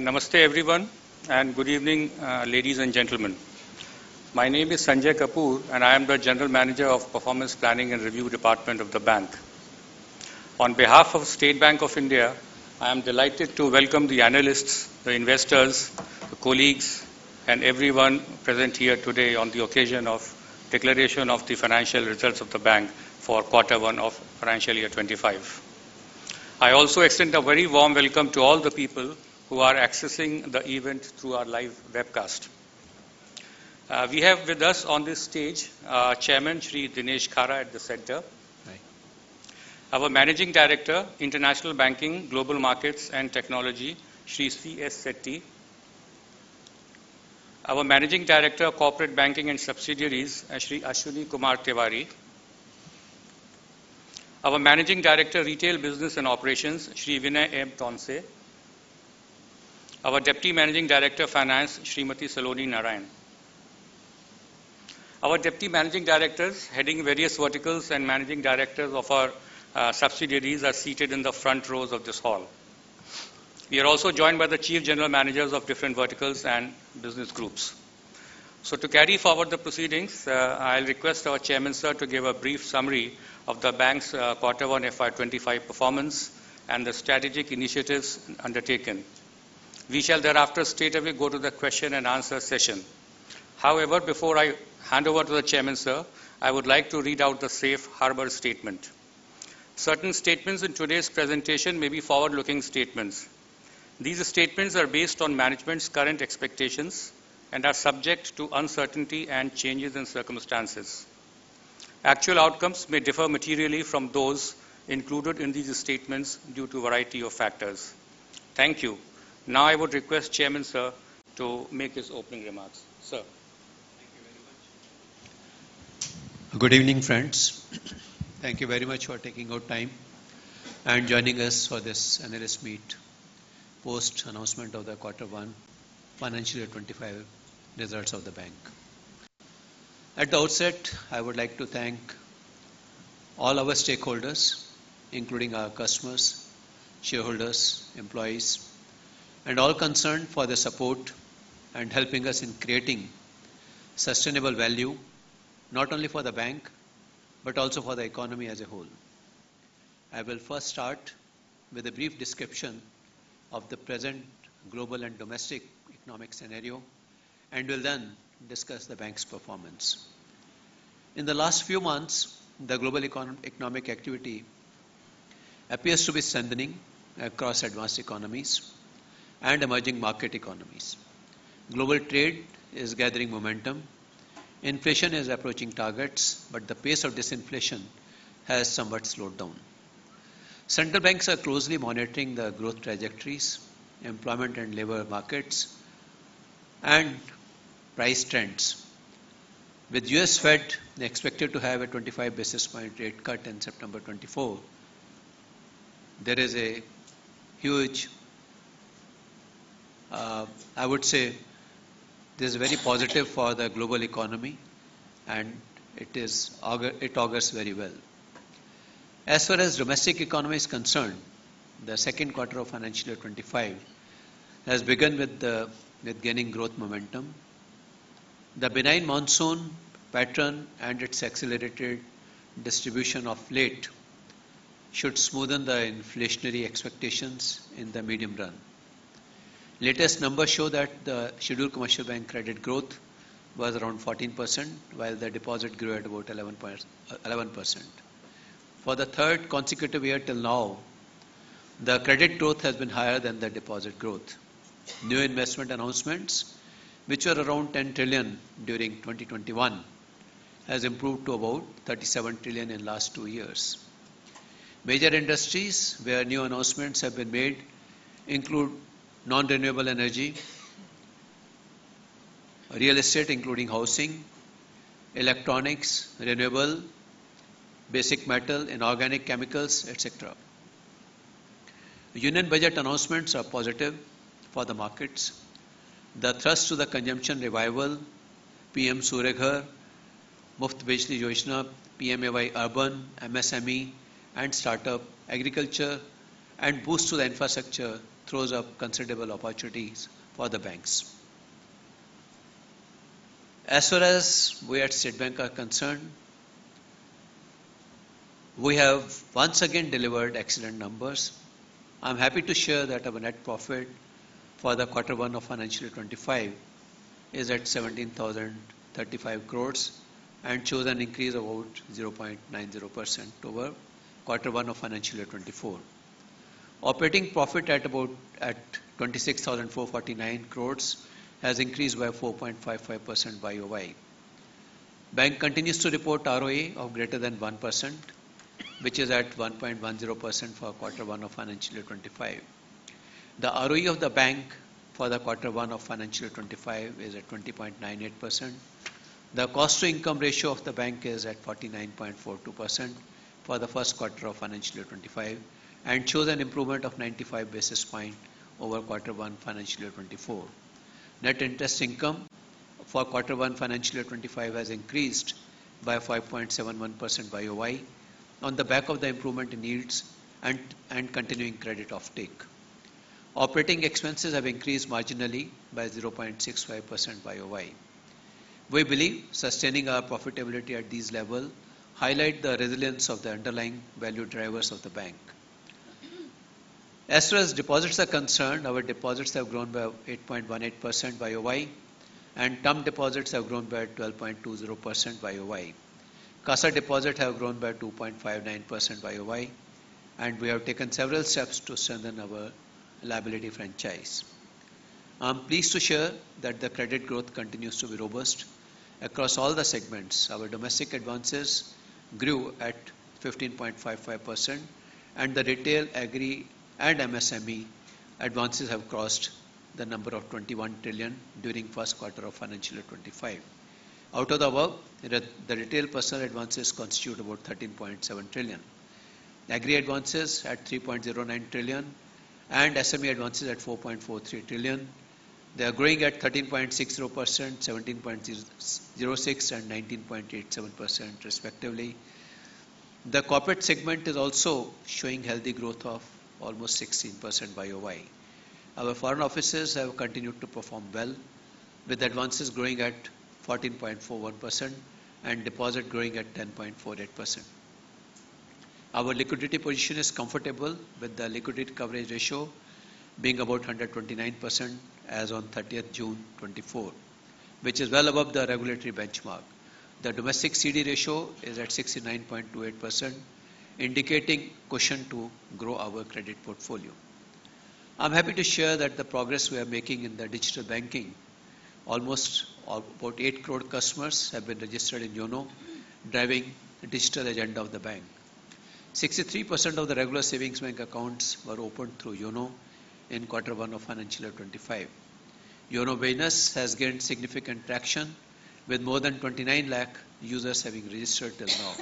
Namaste everyone, and good evening, ladies and gentlemen. My name is Sanjay Kapoor, and I am the General Manager of the Performance Planning and Review Department of the Bank. On behalf of the State Bank of India, I am delighted to welcome the analysts, the investors, the colleagues, and everyone present here today on the occasion of the declaration of the financial results of the Bank for Quarter One of Financial Year 2025. I also extend a very warm welcome to all the people who are accessing the event through our live webcast. We have with us on this stage Chairman Shri Dinesh Khara at the center. Our Managing Director, International Banking, Global Markets, and Technology, Shri C.S. Setty. Our Managing Director, Corporate Banking and Subsidiaries, Shri Ashwini Kumar Tewari. Our Managing Director, Retail Business and Operations, Shri Vinay M. Tonse. Our Deputy Managing Director, Finance, Srimati Saloni Narayan. Our Deputy Managing Directors, heading various verticals and managing directors of our subsidiaries, are seated in the front rows of this hall. We are also joined by the Chief General Managers of different verticals and business groups. So, to carry forward the proceedings, I'll request our Chairman Sir to give a brief summary of the Bank's Quarter One FY 2025 performance and the strategic initiatives undertaken. We shall thereafter straight away go to the question and answer session. However, before I hand over to the Chairman Sir, I would like to read out the Safe Harbor Statement. Certain statements in today's presentation may be forward-looking statements. These statements are based on management's current expectations and are subject to uncertainty and changes in circumstances. Actual outcomes may differ materially from those included in these statements due to a variety of factors. Thank you. Now, I would request Chairman Sir to make his opening remarks. Sir. Thank you very much. Good evening, friends. Thank you very much for taking your time and joining us for this analyst meet post-announcement of the Quarter One Financial Year 2025 results of the Bank. At the outset, I would like to thank all our stakeholders, including our customers, shareholders, employees, and all concerned for the support and helping us in creating sustainable value, not only for the Bank, but also for the economy as a whole. I will first start with a brief description of the present global and domestic economic scenario, and will then discuss the Bank's performance. In the last few months, the global economic activity appears to be strengthening across advanced economies and emerging market economies. Global trade is gathering momentum. Inflation is approaching targets, but the pace of disinflation has somewhat slowed down. Central banks are closely monitoring the growth trajectories, employment and labor markets, and price trends. With the U.S. Fed expected to have a 25 basis point rate cut in September 2024, there is a huge, I would say, this is very positive for the global economy, and it augurs very well. As far as the domestic economy is concerned, the second quarter of Financial Year 2025 has begun with gaining growth momentum. The benign monsoon pattern and its accelerated distribution of late should smoothen the inflationary expectations in the medium run. Latest numbers show that the scheduled commercial bank credit growth was around 14%, while the deposit grew at about 11%. For the third consecutive year till now, the credit growth has been higher than the deposit growth. New investment announcements, which were around 10 trillion during 2021, have improved to about 37 trillion in the last two years. Major industries where new announcements have been made include non-renewable energy, real estate, including housing, electronics, renewable, basic metal, inorganic chemicals, etc. Union budget announcements are positive for the markets. The thrust to the consumption revival, PM Surya Ghar: Muft Bijli Yojana, PMAY-U, MSME, and startup agriculture, and boost to the infrastructure throws up considerable opportunities for the banks. As far as we at State Bank are concerned, we have once again delivered excellent numbers. I'm happy to share that our net profit for the Quarter 1 of Financial Year 2025 is at 17,035 crores and shows an increase of about 0.90% over Quarter 1 of Financial Year 2024. Operating profit at about 26,449 crores has increased by 4.55% YOY. The Bank continues to report ROE of greater than 1%, which is at 1.10% for Quarter 1 of Financial Year 2025. The ROE of the Bank for the Quarter One of Financial Year 2025 is at 20.98%. The cost-to-income ratio of the Bank is at 49.42% for the first quarter of Financial Year 2025 and shows an improvement of 95 basis points over Quarter One Financial Year 2024. Net interest income for Quarter One Financial Year 2025 has increased by 5.71% YOY on the back of the improvement in yields and continuing credit offtake. Operating expenses have increased marginally by 0.65% YOY. We believe sustaining our profitability at these levels highlights the resilience of the underlying value drivers of the Bank. As far as deposits are concerned, our deposits have grown by 8.18% YOY, and term deposits have grown by 12.20% YOY. CASA deposits have grown by 2.59% YOY, and we have taken several steps to strengthen our liability franchise. I'm pleased to share that the credit growth continues to be robust across all the segments. Our domestic advances grew at 15.55%, and the retail, agri, and MSME advances have crossed the number of 21 trillion during the first quarter of Financial Year 2025. Out of the above, the retail personal advances constitute about 13.7 trillion. Agri advances at 3.09 trillion and SME advances at 4.43 trillion. They are growing at 13.60%, 17.06%, and 19.87%, respectively. The corporate segment is also showing healthy growth of almost 16% YOY. Our foreign offices have continued to perform well, with advances growing at 14.41% and deposits growing at 10.48%. Our liquidity position is comfortable, with the liquidity coverage ratio being about 129% as of 30 June 2024, which is well above the regulatory benchmark. The domestic CD ratio is at 69.28%, indicating caution to grow our credit portfolio. I'm happy to share that the progress we are making in digital banking, almost about 8 crore customers have been registered in YONO, driving the digital agenda of the Bank. 63% of the regular savings bank accounts were opened through YONO in Quarter One of Financial Year 2025. YONO Business has gained significant traction, with more than 29 lakh users having registered till now.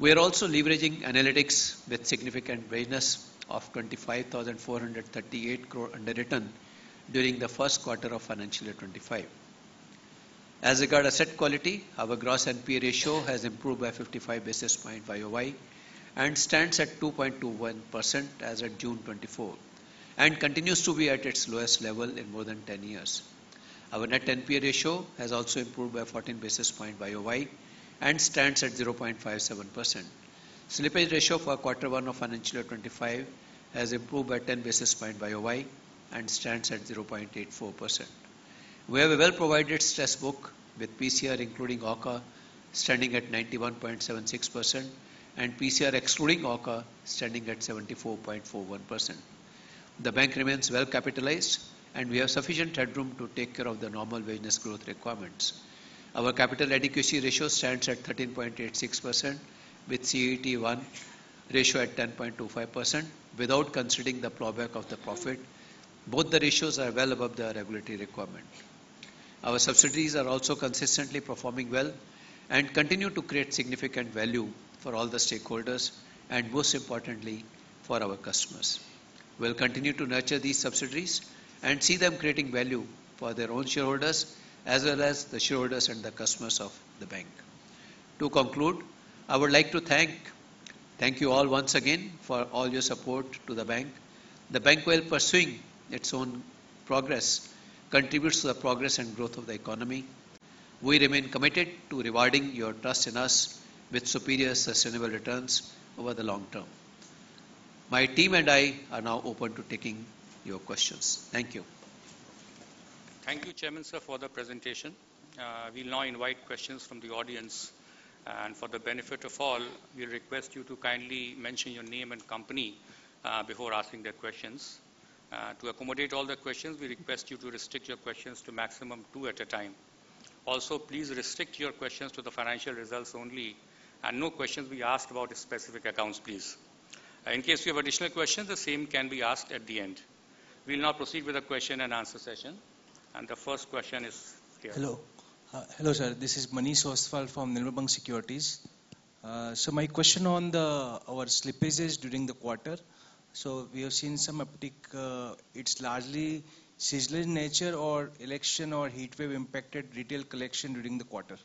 We are also leveraging analytics with significant business of 25,438 crore underwritten during the first quarter of Financial Year 2025. As regards to asset quality, our gross NPA ratio has improved by 55 basis points YOY and stands at 2.21% as of June 2024, and continues to be at its lowest level in more than 10 years. Our net NPA ratio has also improved by 14 basis points YOY and stands at 0.57%. Slippage ratio for Quarter One of Financial Year 2025 has improved by 10 basis points YOY and stands at 0.84%. We have a well-provided stress book with PCR, including AUCA, standing at 91.76%, and PCR excluding AUCA, standing at 74.41%. The Bank remains well capitalized, and we have sufficient headroom to take care of the normal business growth requirements. Our capital adequacy ratio stands at 13.86%, with CET1 ratio at 10.25%, without considering the ploughback of the profit. Both the ratios are well above the regulatory requirement. Our subsidiaries are also consistently performing well and continue to create significant value for all the stakeholders and, most importantly, for our customers. We'll continue to nurture these subsidiaries and see them creating value for their own shareholders as well as the shareholders and the customers of the Bank. To conclude, I would like to thank you all once again for all your support to the Bank. The Bank, while pursuing its own progress, contributes to the progress and growth of the economy. We remain committed to rewarding your trust in us with superior sustainable returns over the long term. My team and I are now open to taking your questions. Thank you. Thank you, Chairman Sir, for the presentation. We'll now invite questions from the audience. For the benefit of all, we'll request you to kindly mention your name and company before asking the questions. To accommodate all the questions, we request you to restrict your questions to a maximum of two at a time. Also, please restrict your questions to the financial results only, and no questions be asked about specific accounts, please. In case you have additional questions, the same can be asked at the end. We'll now proceed with a question and answer session. The first question is here. Hello. Hello, sir. This is Manish Ostwal from Nirmal Bang Securities. So my question on our slippage is during the quarter. So we have seen some uptick. It's largely seasonal in nature or election- or heatwave-impacted retail collection during the quarter.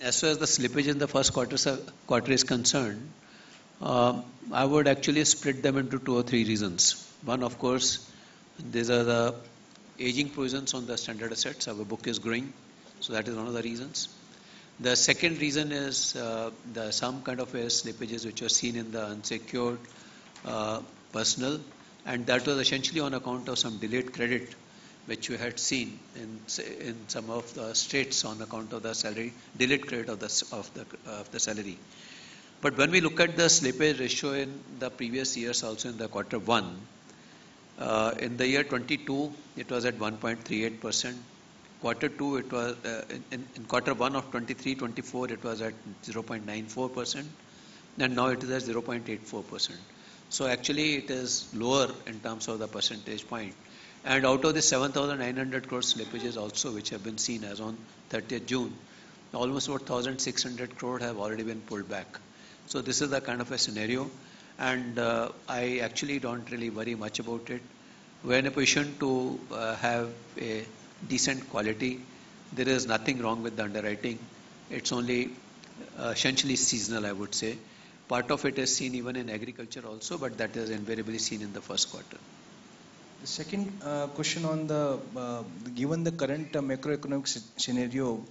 As far as the slippage in the first quarter is concerned, I would actually split them into two or three reasons. One, of course, these are the aging provisions on the standard assets. Our book is growing, so that is one of the reasons. The second reason is some kind of slippages which are seen in the unsecured personal, and that was essentially on account of some delayed credit which we had seen in some of the states on account of the delayed credit of the salary. But when we look at the slippage ratio in the previous years, also in the Quarter One, in the year 2022, it was at 1.38%. In Quarter One of 2023-24, it was at 0.94%, and now it is at 0.84%. So actually, it is lower in terms of the percentage point. Out of the 7,900 crore slippages also, which have been seen as of 30 June, almost about 1,600 crore have already been pulled back. So this is the kind of scenario, and I actually don't really worry much about it. We're in a position to have a decent quality. There is nothing wrong with the underwriting. It's only essentially seasonal, I would say. Part of it is seen even in agriculture also, but that is invariably seen in the first quarter. The second question on the given the current macroeconomic scenario,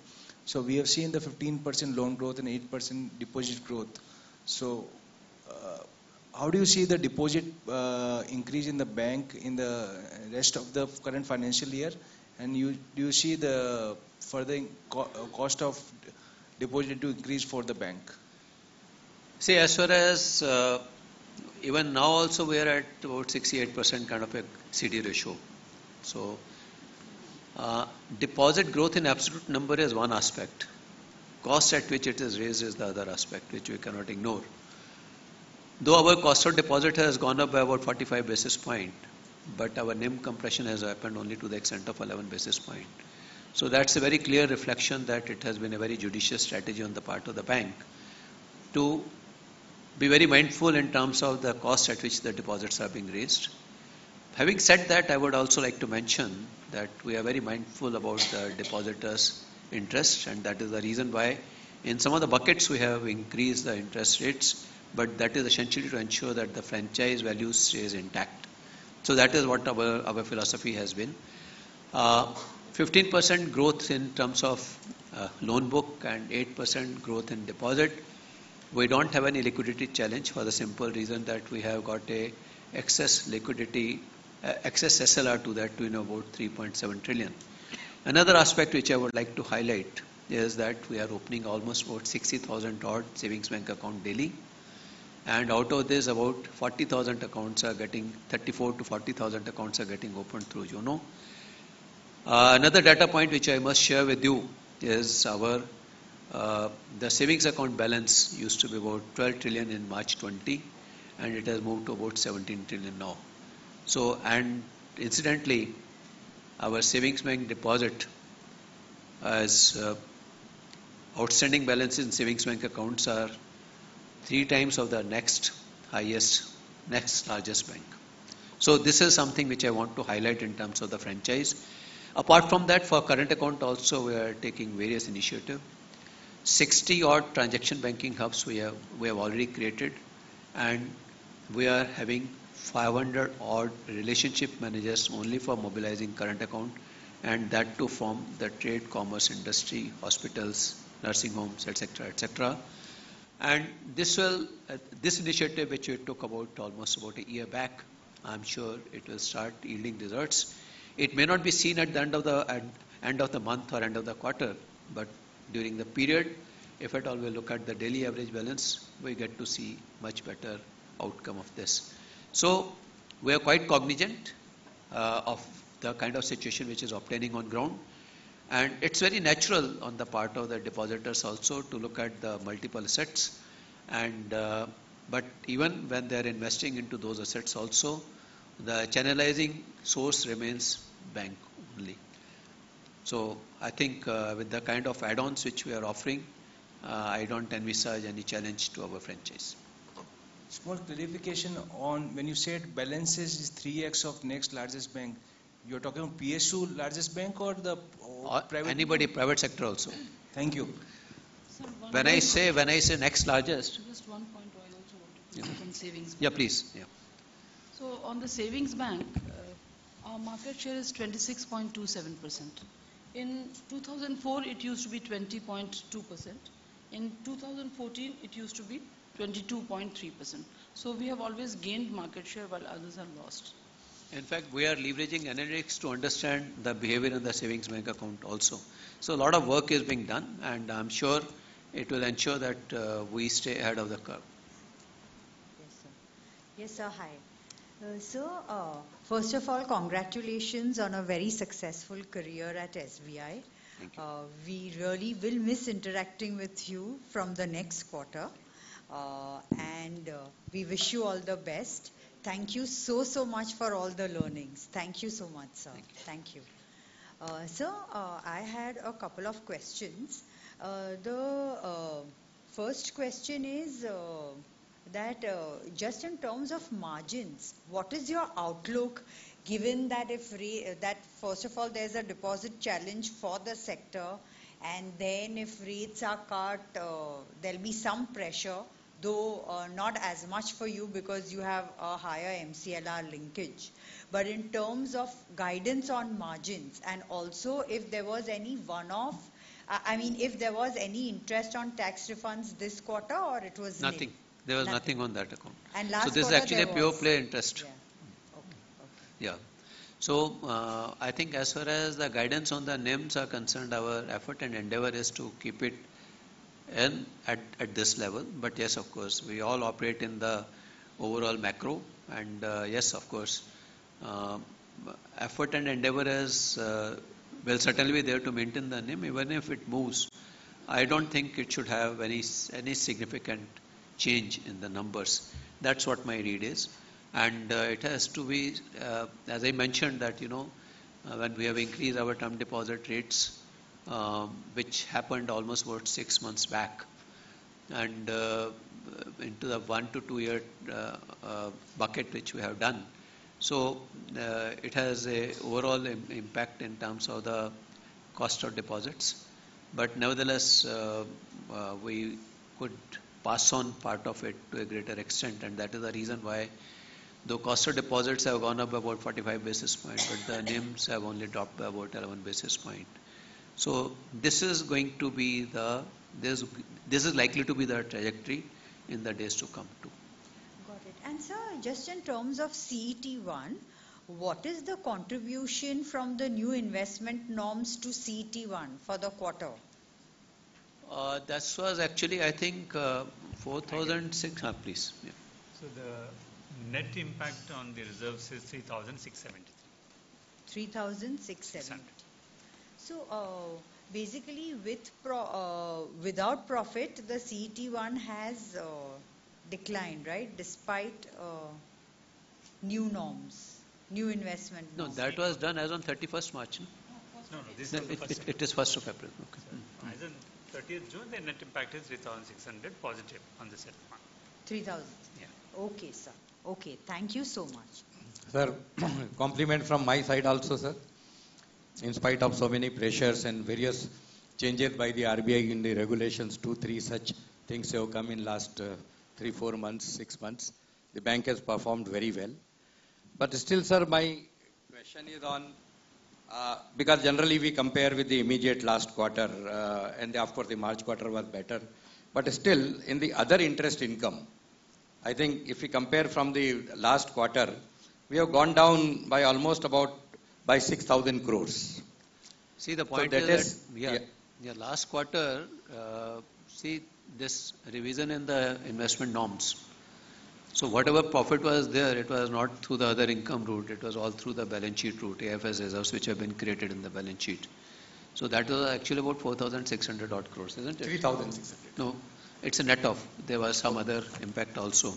so we have seen the 15% loan growth and 8% deposit growth. So how do you see the deposit increase in the Bank in the rest of the current financial year? And do you see the further cost of deposit to increase for the Bank? See, as far as even now, also we are at about 68% kind of a CD ratio. So deposit growth in absolute number is one aspect. Cost at which it is raised is the other aspect, which we cannot ignore. Though our cost of deposit has gone up by about 45 basis points, our NIM compression has happened only to the extent of 11 basis points. So that's a very clear reflection that it has been a very judicious strategy on the part of the Bank to be very mindful in terms of the cost at which the deposits are being raised. Having said that, I would also like to mention that we are very mindful about the depositors' interest, and that is the reason why in some of the buckets we have increased the interest rates, but that is essentially to ensure that the franchise value stays intact. So that is what our philosophy has been. 15% growth in terms of loan book and 8% growth in deposit. We don't have any liquidity challenge for the simple reason that we have got excess SLR to that to about 3.7 trillion. Another aspect which I would like to highlight is that we are opening almost about 60,000-odd savings bank accounts daily. And out of this, about 34,000-40,000 accounts are getting opened through YONO. Another data point which I must share with you is the savings account balance used to be about 12 trillion in March 2020, and it has moved to about 17 trillion now. And incidentally, our savings bank deposit as outstanding balances in savings bank accounts are three times of the next largest bank. So this is something which I want to highlight in terms of the franchise. Apart from that, for current account, also we are taking various initiatives. 60-odd transaction banking hubs we have already created, and we are having 500-odd relationship managers only for mobilizing current account, and that to form the trade, commerce, industry, hospitals, nursing homes, etc. And this initiative, which we took about almost about a year back, I'm sure it will start yielding results. It may not be seen at the end of the month or end of the quarter, but during the period, if at all we look at the daily average balance, we get to see much better outcome of this. So we are quite cognizant of the kind of situation which is obtaining on ground. And it's very natural on the part of the depositors also to look at the multiple assets. But even when they are investing into those assets also, the channelizing source remains Bank only. I think with the kind of add-ons which we are offering, I don't envisage any challenge to our franchise. Small clarification on when you said balances is 3x of next largest bank, you're talking about PSU largest bank or the private? Anybody private sector also? Thank you. When I say next largest. Just one point I also want to put in savings bank. Yeah, please. So on the savings bank, our market share is 26.27%. In 2004, it used to be 20.2%. In 2014, it used to be 22.3%. So we have always gained market share while others have lost. In fact, we are leveraging analytics to understand the behavior of the savings bank account also. So a lot of work is being done, and I'm sure it will ensure that we stay ahead of the curve. Yes, sir. Yes, sir. Hi. So first of all, congratulations on a very successful career at SBI. We really will miss interacting with you from the next quarter, and we wish you all the best. Thank you so, so much for all the learnings. Thank you so much, sir. Thank you. So I had a couple of questions. The first question is that just in terms of margins, what is your outlook given that first of all, there's a deposit challenge for the sector, and then if rates are cut, there'll be some pressure, though not as much for you because you have a higher MCLR linkage. But in terms of guidance on margins and also if there was any one-off, I mean, if there was any interest on tax refunds this quarter or it was? Nothing. There was nothing on that account. So this is actually a pure play interest. Yeah. So I think as far as the guidance on the NIMs are concerned, our effort and endeavor is to keep it at this level. But yes, of course, we all operate in the overall macro. And yes, of course, effort and endeavor will certainly be there to maintain the NIM even if it moves. I don't think it should have any significant change in the numbers. That's what my read is. And it has to be, as I mentioned, that when we have increased our term deposit rates, which happened almost about six months back and into the 1-2-year bucket which we have done, so it has an overall impact in terms of the cost of deposits. But nevertheless, we could pass on part of it to a greater extent. That is the reason why the cost of deposits have gone up about 45 basis points, but the NIMs have only dropped by about 11 basis points. So this is likely to be the trajectory in the days to come too. Got it. Sir, just in terms of CET1, what is the contribution from the new investment norms to CET1 for the quarter? That was actually, I think, 4,600. Please. The net impact on the reserves is INR 3,670. Basically, without profit, the CET1 has declined, right, despite new norms, new investment norms? No, that was done as of 31st March. No, no, this is the first. It is 1st of April. As of 30th June, the net impact is 3,600 positive on the CET1. 3,000. Yeah. Okay, sir. Okay. Thank you so much. Sir, compliment from my side also, sir. In spite of so many pressures and various changes by the RBI in the regulations, two, three such things have come in last three, four months, six months, the Bank has performed very well. But still, sir, my question is on because generally we compare with the immediate last quarter, and of course, the March quarter was better. But still, in the other interest income, I think if we compare from the last quarter, we have gone down by almost about by 6,000 crore. See the point, that is? So last quarter, see this revision in the investment norms. So whatever profit was there, it was not through the other income route. It was all through the balance sheet route, AFS reserves which have been created in the balance sheet. So that was actually about 4,600-odd crore, isn't it? 3,600. No. It's a net of. There was some other impact also.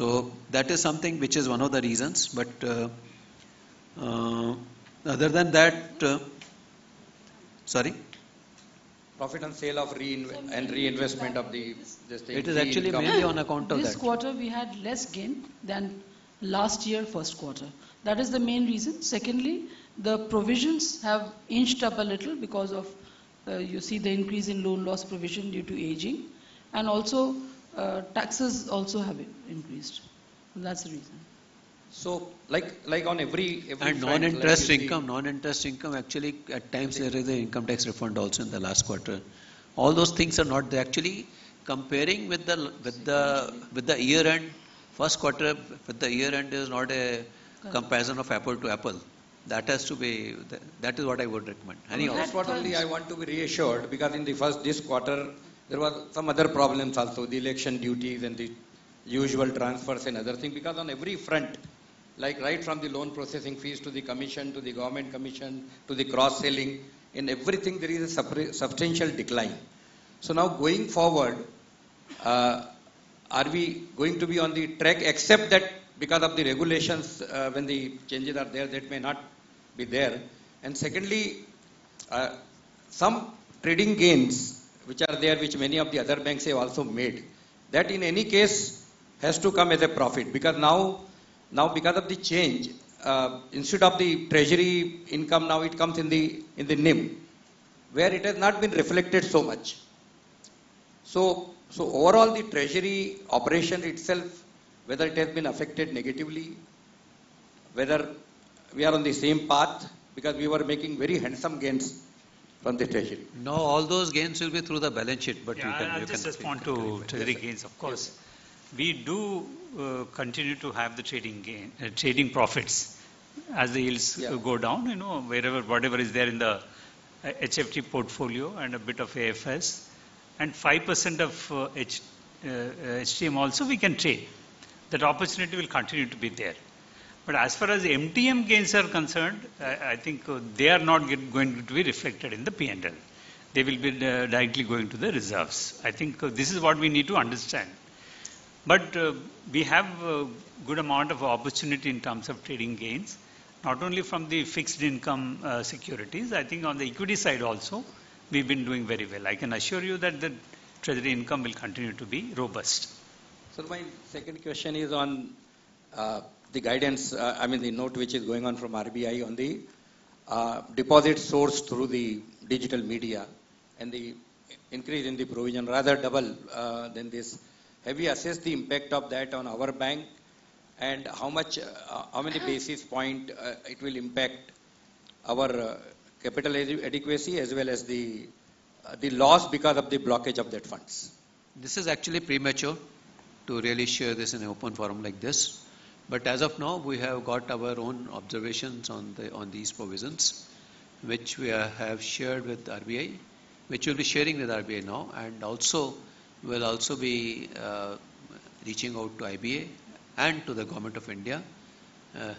So that is something which is one of the reasons. But other than that, sorry? Profit on sale and reinvestment of the. It is actually mainly on account of that. This quarter, we had less gain than last year first quarter. That is the main reason. Secondly, the provisions have inched up a little because, you see, the increase in loan loss provision due to aging. And also, taxes also have increased. That's the reason. So, like, on every quarter. Non-interest income, non-interest income actually at times there is an income tax refund also in the last quarter. All those things are not actually comparing with the year-end first quarter with the year-end is not a comparison of apple to apple. That has to be. That is what I would recommend. Last quarter, I want to be reassured because in the first this quarter, there were some other problems also, the election duties and the usual transfers and other things because on every front, like right from the loan processing fees to the commission, to the government commission, to the cross-selling, in everything, there is a substantial decline. So now going forward, are we going to be on the track except that because of the regulations, when the changes are there, that may not be there. And secondly, some trading gains which are there, which many of the other banks have also made, that in any case has to come as a profit because now because of the change, instead of the treasury income, now it comes in the NIM, where it has not been reflected so much. Overall, the treasury operation itself, whether it has been affected negatively, whether we are on the same path because we were making very handsome gains from the treasury. Now all those gains will be through the balance sheet, but you can just. I just respond to treasury gains, of course. We do continue to have the trading profits as the yields go down, whatever is there in the HFT portfolio and a bit of AFS and 5% of HTM also we can trade. That opportunity will continue to be there. But as far as MTM gains are concerned, I think they are not going to be reflected in the P&L. They will be directly going to the reserves. I think this is what we need to understand. But we have a good amount of opportunity in terms of trading gains, not only from the fixed income securities. I think on the equity side also, we've been doing very well. I can assure you that the treasury income will continue to be robust. So my second question is on the guidance, I mean, the note which is going on from RBI on the deposit source through the digital media and the increase in the provision, rather double than this. Have you assessed the impact of that on our bank and how many basis points it will impact our capital adequacy as well as the loss because of the blockage of that funds? This is actually premature to really share this in an open forum like this. But as of now, we have got our own observations on these provisions, which we have shared with RBI, which we'll be sharing with RBI now, and also will also be reaching out to IBA and to the Government of India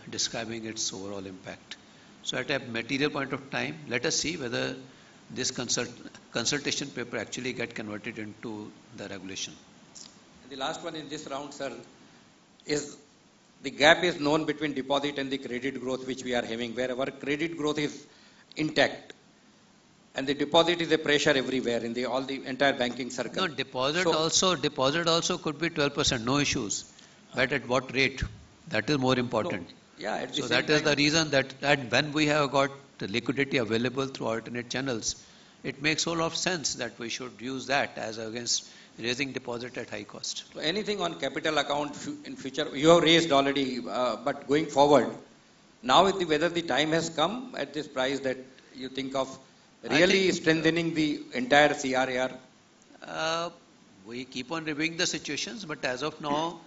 describing its overall impact. So at a material point of time, let us see whether this consultation paper actually gets converted into the regulation. The last one in this round, sir, is the known gap between deposits and the credit growth which we are having, where our credit growth is intact and the deposits are under pressure everywhere in the entire banking circle. No, deposit also could be 12%, no issues. But at what rate? That is more important. Yeah. That is the reason that when we have got liquidity available through alternate channels, it makes a whole lot of sense that we should use that as against raising deposit at high cost. Anything on capital account in future? You have raised already, but going forward, now whether the time has come at this price that you think of really strengthening the entire CRAR? We keep on reviewing the situations, but as of now,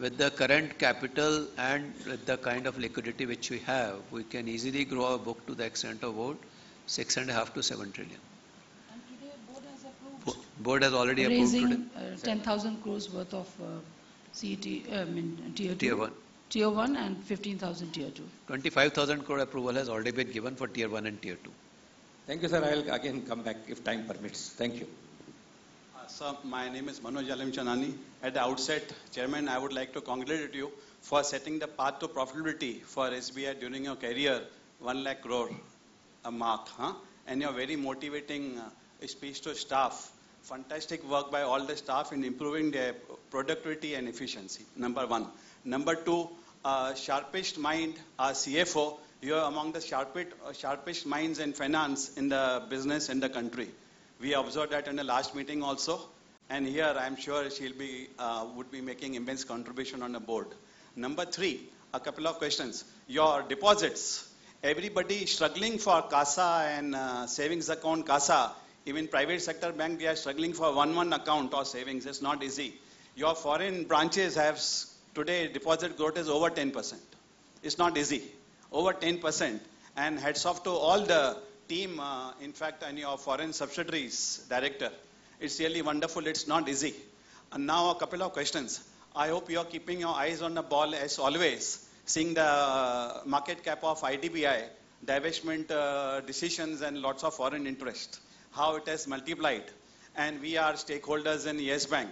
with the current capital and with the kind of liquidity which we have, we can easily grow our book to the extent of about 6.5-7 trillion. Today, Board has approved. Board has already approved. Amazing. 10,000 crore worth of Tier 1. Tier 1. Tier 1 and 15,000 Tier 2. 25,000 crore approval has already been given for Tier 1 and Tier 2. Thank you, sir. I'll again come back if time permits. Thank you. My name is Manoj Alimchandani. At the outset, Chairman, I would like to congratulate you for setting the path to profitability for SBI during your career, 100,000 crore mark. And your very motivating speech to staff, fantastic work by all the staff in improving their productivity and efficiency. Number one. Number two, sharpest mind, CFO, you are among the sharpest minds in finance in the business in the country. We observed that in the last meeting also. And here, I'm sure she would be making immense contribution on the board. Number three, a couple of questions. Your deposits, everybody struggling for CASA and savings account, CASA, even private sector bank, they are struggling for CA account or savings. It's not easy. Your foreign branches have today deposit growth is over 10%. It's not easy. Over 10%. Hats off to all the team, in fact, to the foreign subsidiaries' directors. It's really wonderful. It's not easy. Now a couple of questions. I hope you are keeping your eyes on the ball as always, seeing the market cap of IDBI, divestment decisions, and lots of foreign interest, how it has multiplied. We are stakeholders in Yes Bank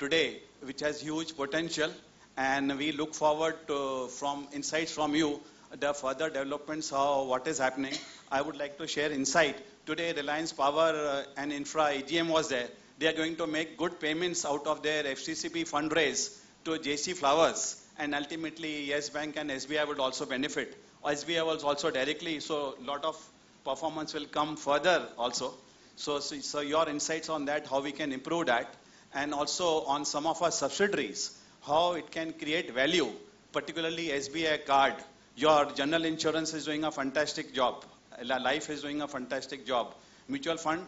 today, which has huge potential. We look forward to insights from you, the further developments of what is happening. I would like to share insight. Today, Reliance Power and Infra AGM was there. They are going to make good payments out of their FCCB fundraise to J.C. Flowers. Ultimately, Yes Bank and SBI would also benefit. SBI was also directly. So a lot of performance will come further also. So your insights on that, how we can improve that, and also on some of our subsidiaries, how it can create value, particularly SBI Cards. Your general insurance is doing a fantastic job. Life is doing a fantastic job. Mutual fund,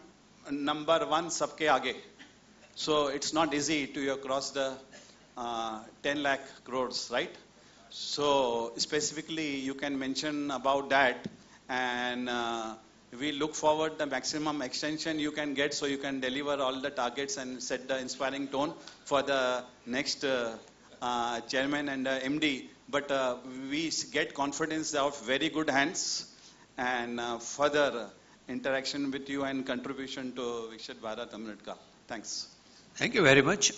number one such a great. So it's not easy to cross the 10,00,000 crore, right? So specifically, you can mention about that. And we look forward to the maximum extension you can get so you can deliver all the targets and set the inspiring tone for the next chairman and MD. But we get confidence of very good hands and further interaction with you and contribution to Viksit Bharat Amrit Kaal. Thanks. Thank you very much.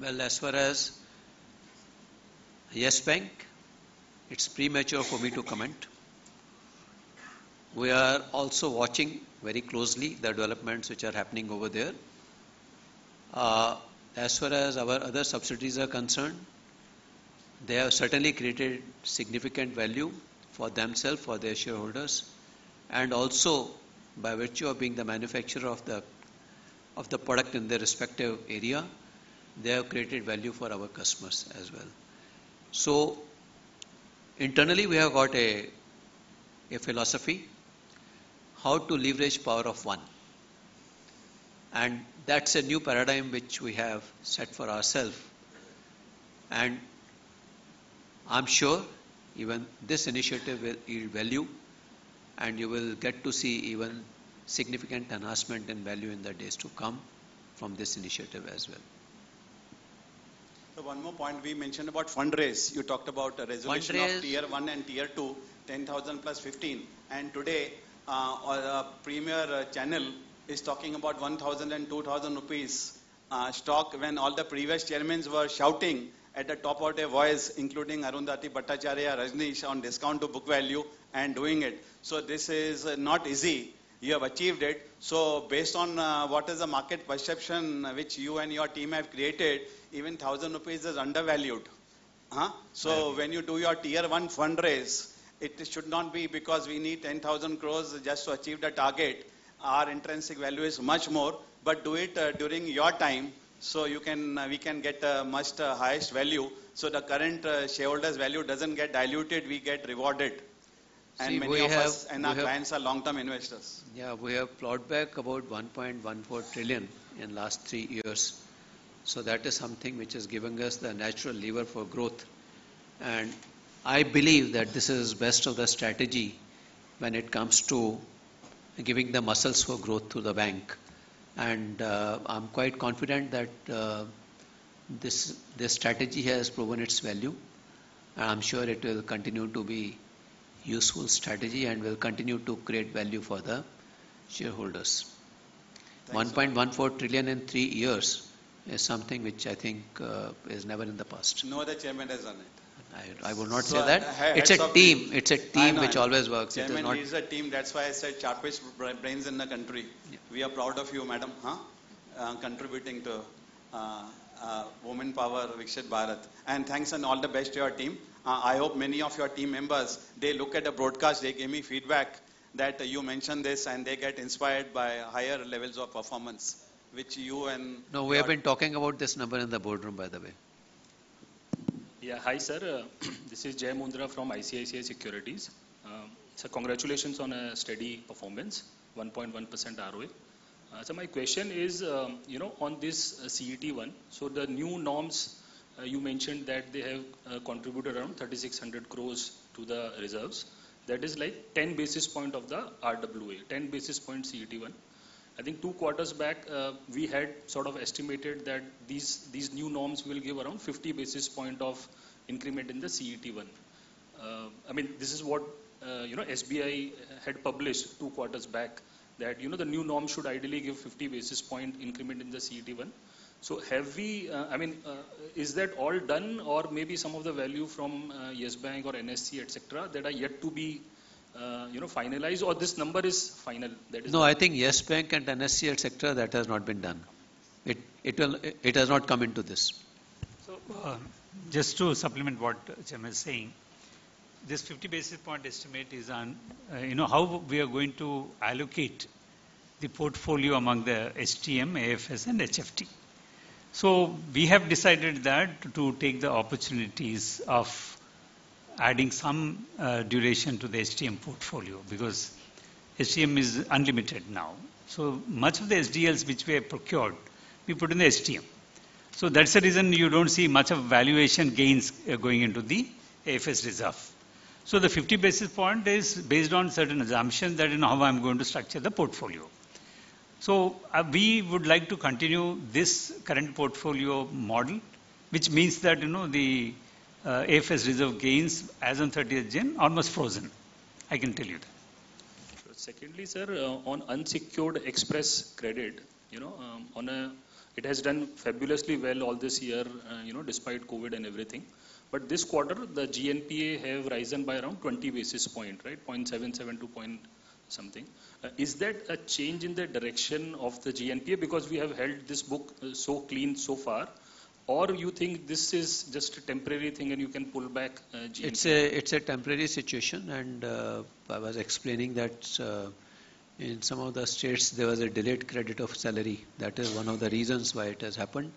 Well, as far as Yes Bank, it's premature for me to comment. We are also watching very closely the developments which are happening over there. As far as our other subsidiaries are concerned, they have certainly created significant value for themselves, for their shareholders. And also, by virtue of being the manufacturer of the product in their respective area, they have created value for our customers as well. So internally, we have got a philosophy, how to leverage power of one. And that's a new paradigm which we have set for ourselves. And I'm sure even this initiative will add value, and you will get to see even significant enhancement in value in the days to come from this initiative as well. So one more point. We mentioned about fundraise. You talked about resolution of Tier 1 and Tier 2, 10,000 plus 15. And today, a premier channel is talking about 1,000 and 2,000 rupees stock when all the previous chairmen were shouting at the top of their voice, including Arundhati Bhattacharya, Rajnish on discount to book value and doing it. So this is not easy. You have achieved it. So based on what is the market perception which you and your team have created, even 1,000 rupees is undervalued. So when you do your Tier 1 fundraise, it should not be because we need 10,000 crore just to achieve the target. Our intrinsic value is much more. But do it during your time so we can get a much highest value. So the current shareholders' value doesn't get diluted. We get rewarded. Many of us and our clients are long-term investors. Yeah, we have plowed back about 1.14 trillion in the last three years. So that is something which is giving us the natural lever for growth. And I believe that this is the best of the strategy when it comes to giving the muscles for growth to the bank. And I'm quite confident that this strategy has proven its value. And I'm sure it will continue to be a useful strategy and will continue to create value for the shareholders. 1.14 trillion in three years is something which I think is never in the past. No other chairman has done it. I will not say that. It's a team. It's a team which always works. It is a team. That's why I said sharpest brains in the country. We are proud of you, madam, contributing to women power, Viksit Bharat. Thanks and all the best to your team. I hope many of your team members, they look at the broadcast, they give me feedback that you mentioned this and they get inspired by higher levels of performance, which you and. No, we have been talking about this number in the boardroom, by the way. Yeah, hi, sir. This is Jai Mundhra from ICICI Securities. So congratulations on a steady performance, 1.1% ROE. So my question is, on this CET1, so the new norms you mentioned that they have contributed around 3,600 crore to the reserves. That is like 10 basis points of the RWA, 10 basis points CET1. I think two quarters back, we had sort of estimated that these new norms will give around 50 basis points of increment in the CET1. I mean, this is what SBI had published two quarters back, that the new norms should ideally give 50 basis points increment in the CET1. So have we, I mean, is that all done or maybe some of the value from Yes Bank or NSE, etc., that are yet to be finalized or this number is final? No, I think Yes Bank and NSE, etc., that has not been done. It has not come into this. So just to supplement what Chairman is saying, this 50 basis point estimate is on how we are going to allocate the portfolio among the HTM, AFS, and HFT. So we have decided that to take the opportunities of adding some duration to the HTM portfolio because HTM is unlimited now. So much of the SDLs which we have procured, we put in the HTM. So that's the reason you don't see much of valuation gains going into the AFS reserve. So the 50 basis point is based on certain assumptions that in how I'm going to structure the portfolio. So we would like to continue this current portfolio model, which means that the AFS reserve gains as of 30th June, almost frozen. I can tell you that. Secondly, sir, on unsecured Xpress Credit, it has done fabulously well all this year despite COVID and everything. But this quarter, the GNPA have risen by around 20 basis points, right? 0.77 to 0.97 something. Is that a change in the direction of the GNPA because we have held this book so clean so far? Or you think this is just a temporary thing and you can pull back? It's a temporary situation. I was explaining that in some of the states, there was a delayed credit of salary. That is one of the reasons why it has happened.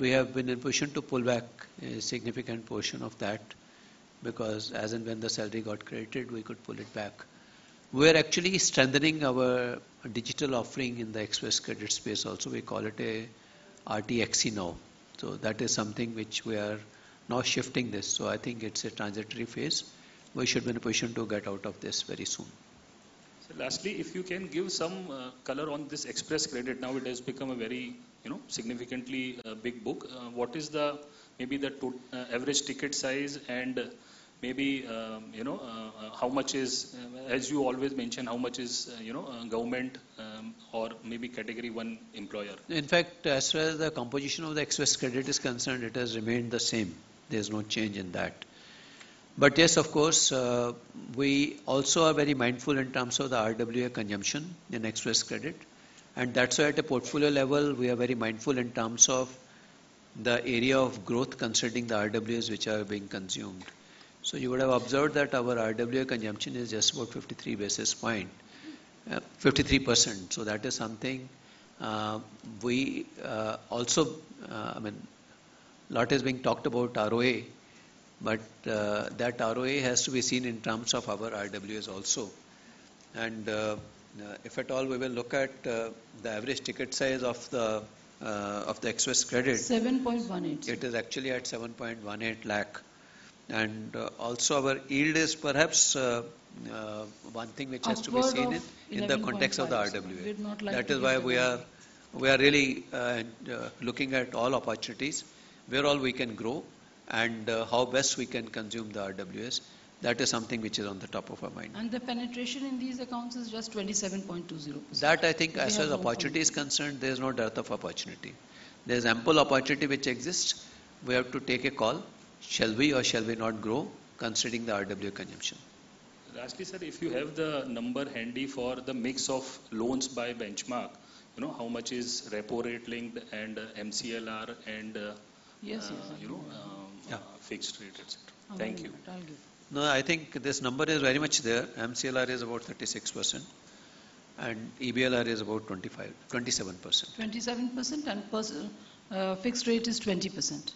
We have been in a position to pull back a significant portion of that because as and when the salary got credited, we could pull it back. We are actually strengthening our digital offering in the Xpress Credit space also. We call it an RTXC now. That is something which we are now shifting this. I think it's a transitory phase. We should be in a position to get out of this very soon. Lastly, if you can give some color on this Xpress Credit, now it has become a very significantly big book. What is maybe the average ticket size and maybe how much is, as you always mention, how much is government or maybe category one employer? In fact, as far as the composition of the Xpress Credit is concerned, it has remained the same. There's no change in that. But yes, of course, we also are very mindful in terms of the RWA consumption in Xpress Credit. And that's why at a portfolio level, we are very mindful in terms of the area of growth concerning the RWAs which are being consumed. So you would have observed that our RWA consumption is just about 53%. So that is something we also, I mean, a lot is being talked about ROA, but that ROA has to be seen in terms of our RWAs also. And if at all, we will look at the average ticket size of the Xpress Credit. 7.18. It is actually at 7.18 lakh. Also our yield is perhaps one thing which has to be seen in the context of the RWA. That is why we are really looking at all opportunities, where all we can grow and how best we can consume the RWAs. That is something which is on the top of our mind. The penetration in these accounts is just 27.20%. That I think as far as opportunity is concerned, there's no dearth of opportunity. There's ample opportunity which exists. We have to take a call, shall we or shall we not grow considering the RWA consumption. Lastly, sir, if you have the number handy for the mix of loans by benchmark, how much is repo rate linked and MCLR and fixed rate, etc.? Thank you. No, I think this number is very much there. MCLR is about 36% and EBLR is about 27%. 27% and fixed rate is 20%.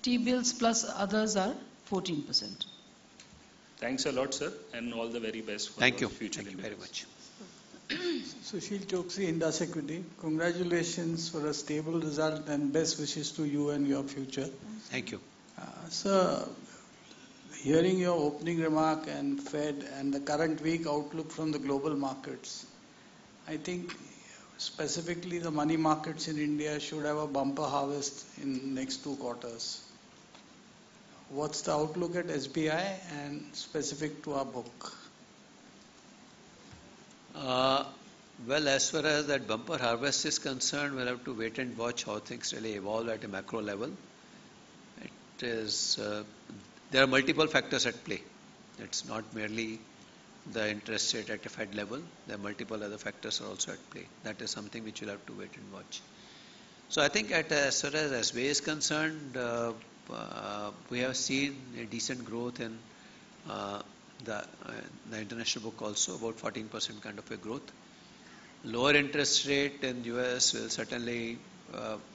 T-bills plus others are 14%. Thanks a lot, sir. And all the very best for the future. Thank you very much. Sushil Choksey, Indus Equity, congratulations for a stable result and best wishes to you and your future. Thank you. Sir, hearing your opening remark and Fed and the current week outlook from the global markets, I think specifically the money markets in India should have a bumper harvest in the next two quarters. What's the outlook at SBI and specific to our book? Well, as far as that bumper harvest is concerned, we'll have to wait and watch how things really evolve at a macro level. There are multiple factors at play. It's not merely the interest rate at the Fed level. There are multiple other factors also at play. That is something which we'll have to wait and watch. So I think as far as SBI is concerned, we have seen a decent growth in the international book also, about 14% kind of a growth. Lower interest rate in the U.S. will certainly,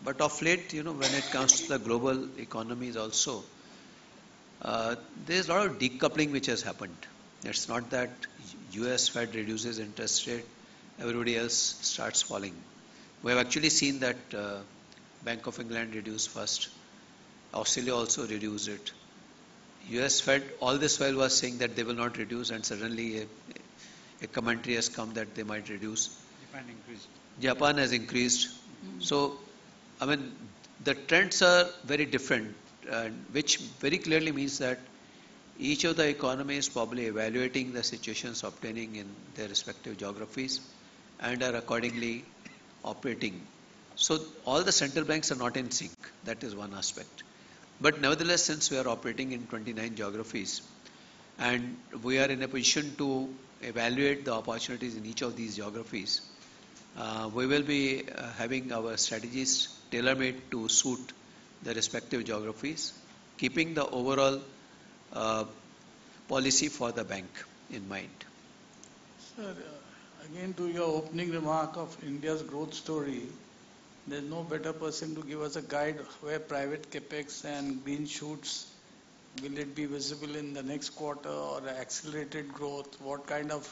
but of late, when it comes to the global economies also, there's a lot of decoupling which has happened. It's not that U.S. Fed reduces interest rate, everybody else starts falling. We have actually seen that Bank of England reduce first. Australia also reduced it. U.S. Fed all this while was saying that they will not reduce and suddenly a commentary has come that they might reduce. Japan increased. Japan has increased. So I mean, the trends are very different, which very clearly means that each of the economies is probably evaluating the situations obtaining in their respective geographies and are accordingly operating. So all the central banks are not in sync. That is one aspect. But nevertheless, since we are operating in 29 geographies and we are in a position to evaluate the opportunities in each of these geographies, we will be having our strategies tailor-made to suit the respective geographies, keeping the overall policy for the bank in mind. Sir, again to your opening remark of India's growth story, there's no better person to give us a guide where private CapEx and green shoots will it be visible in the next quarter or accelerated growth? What kind of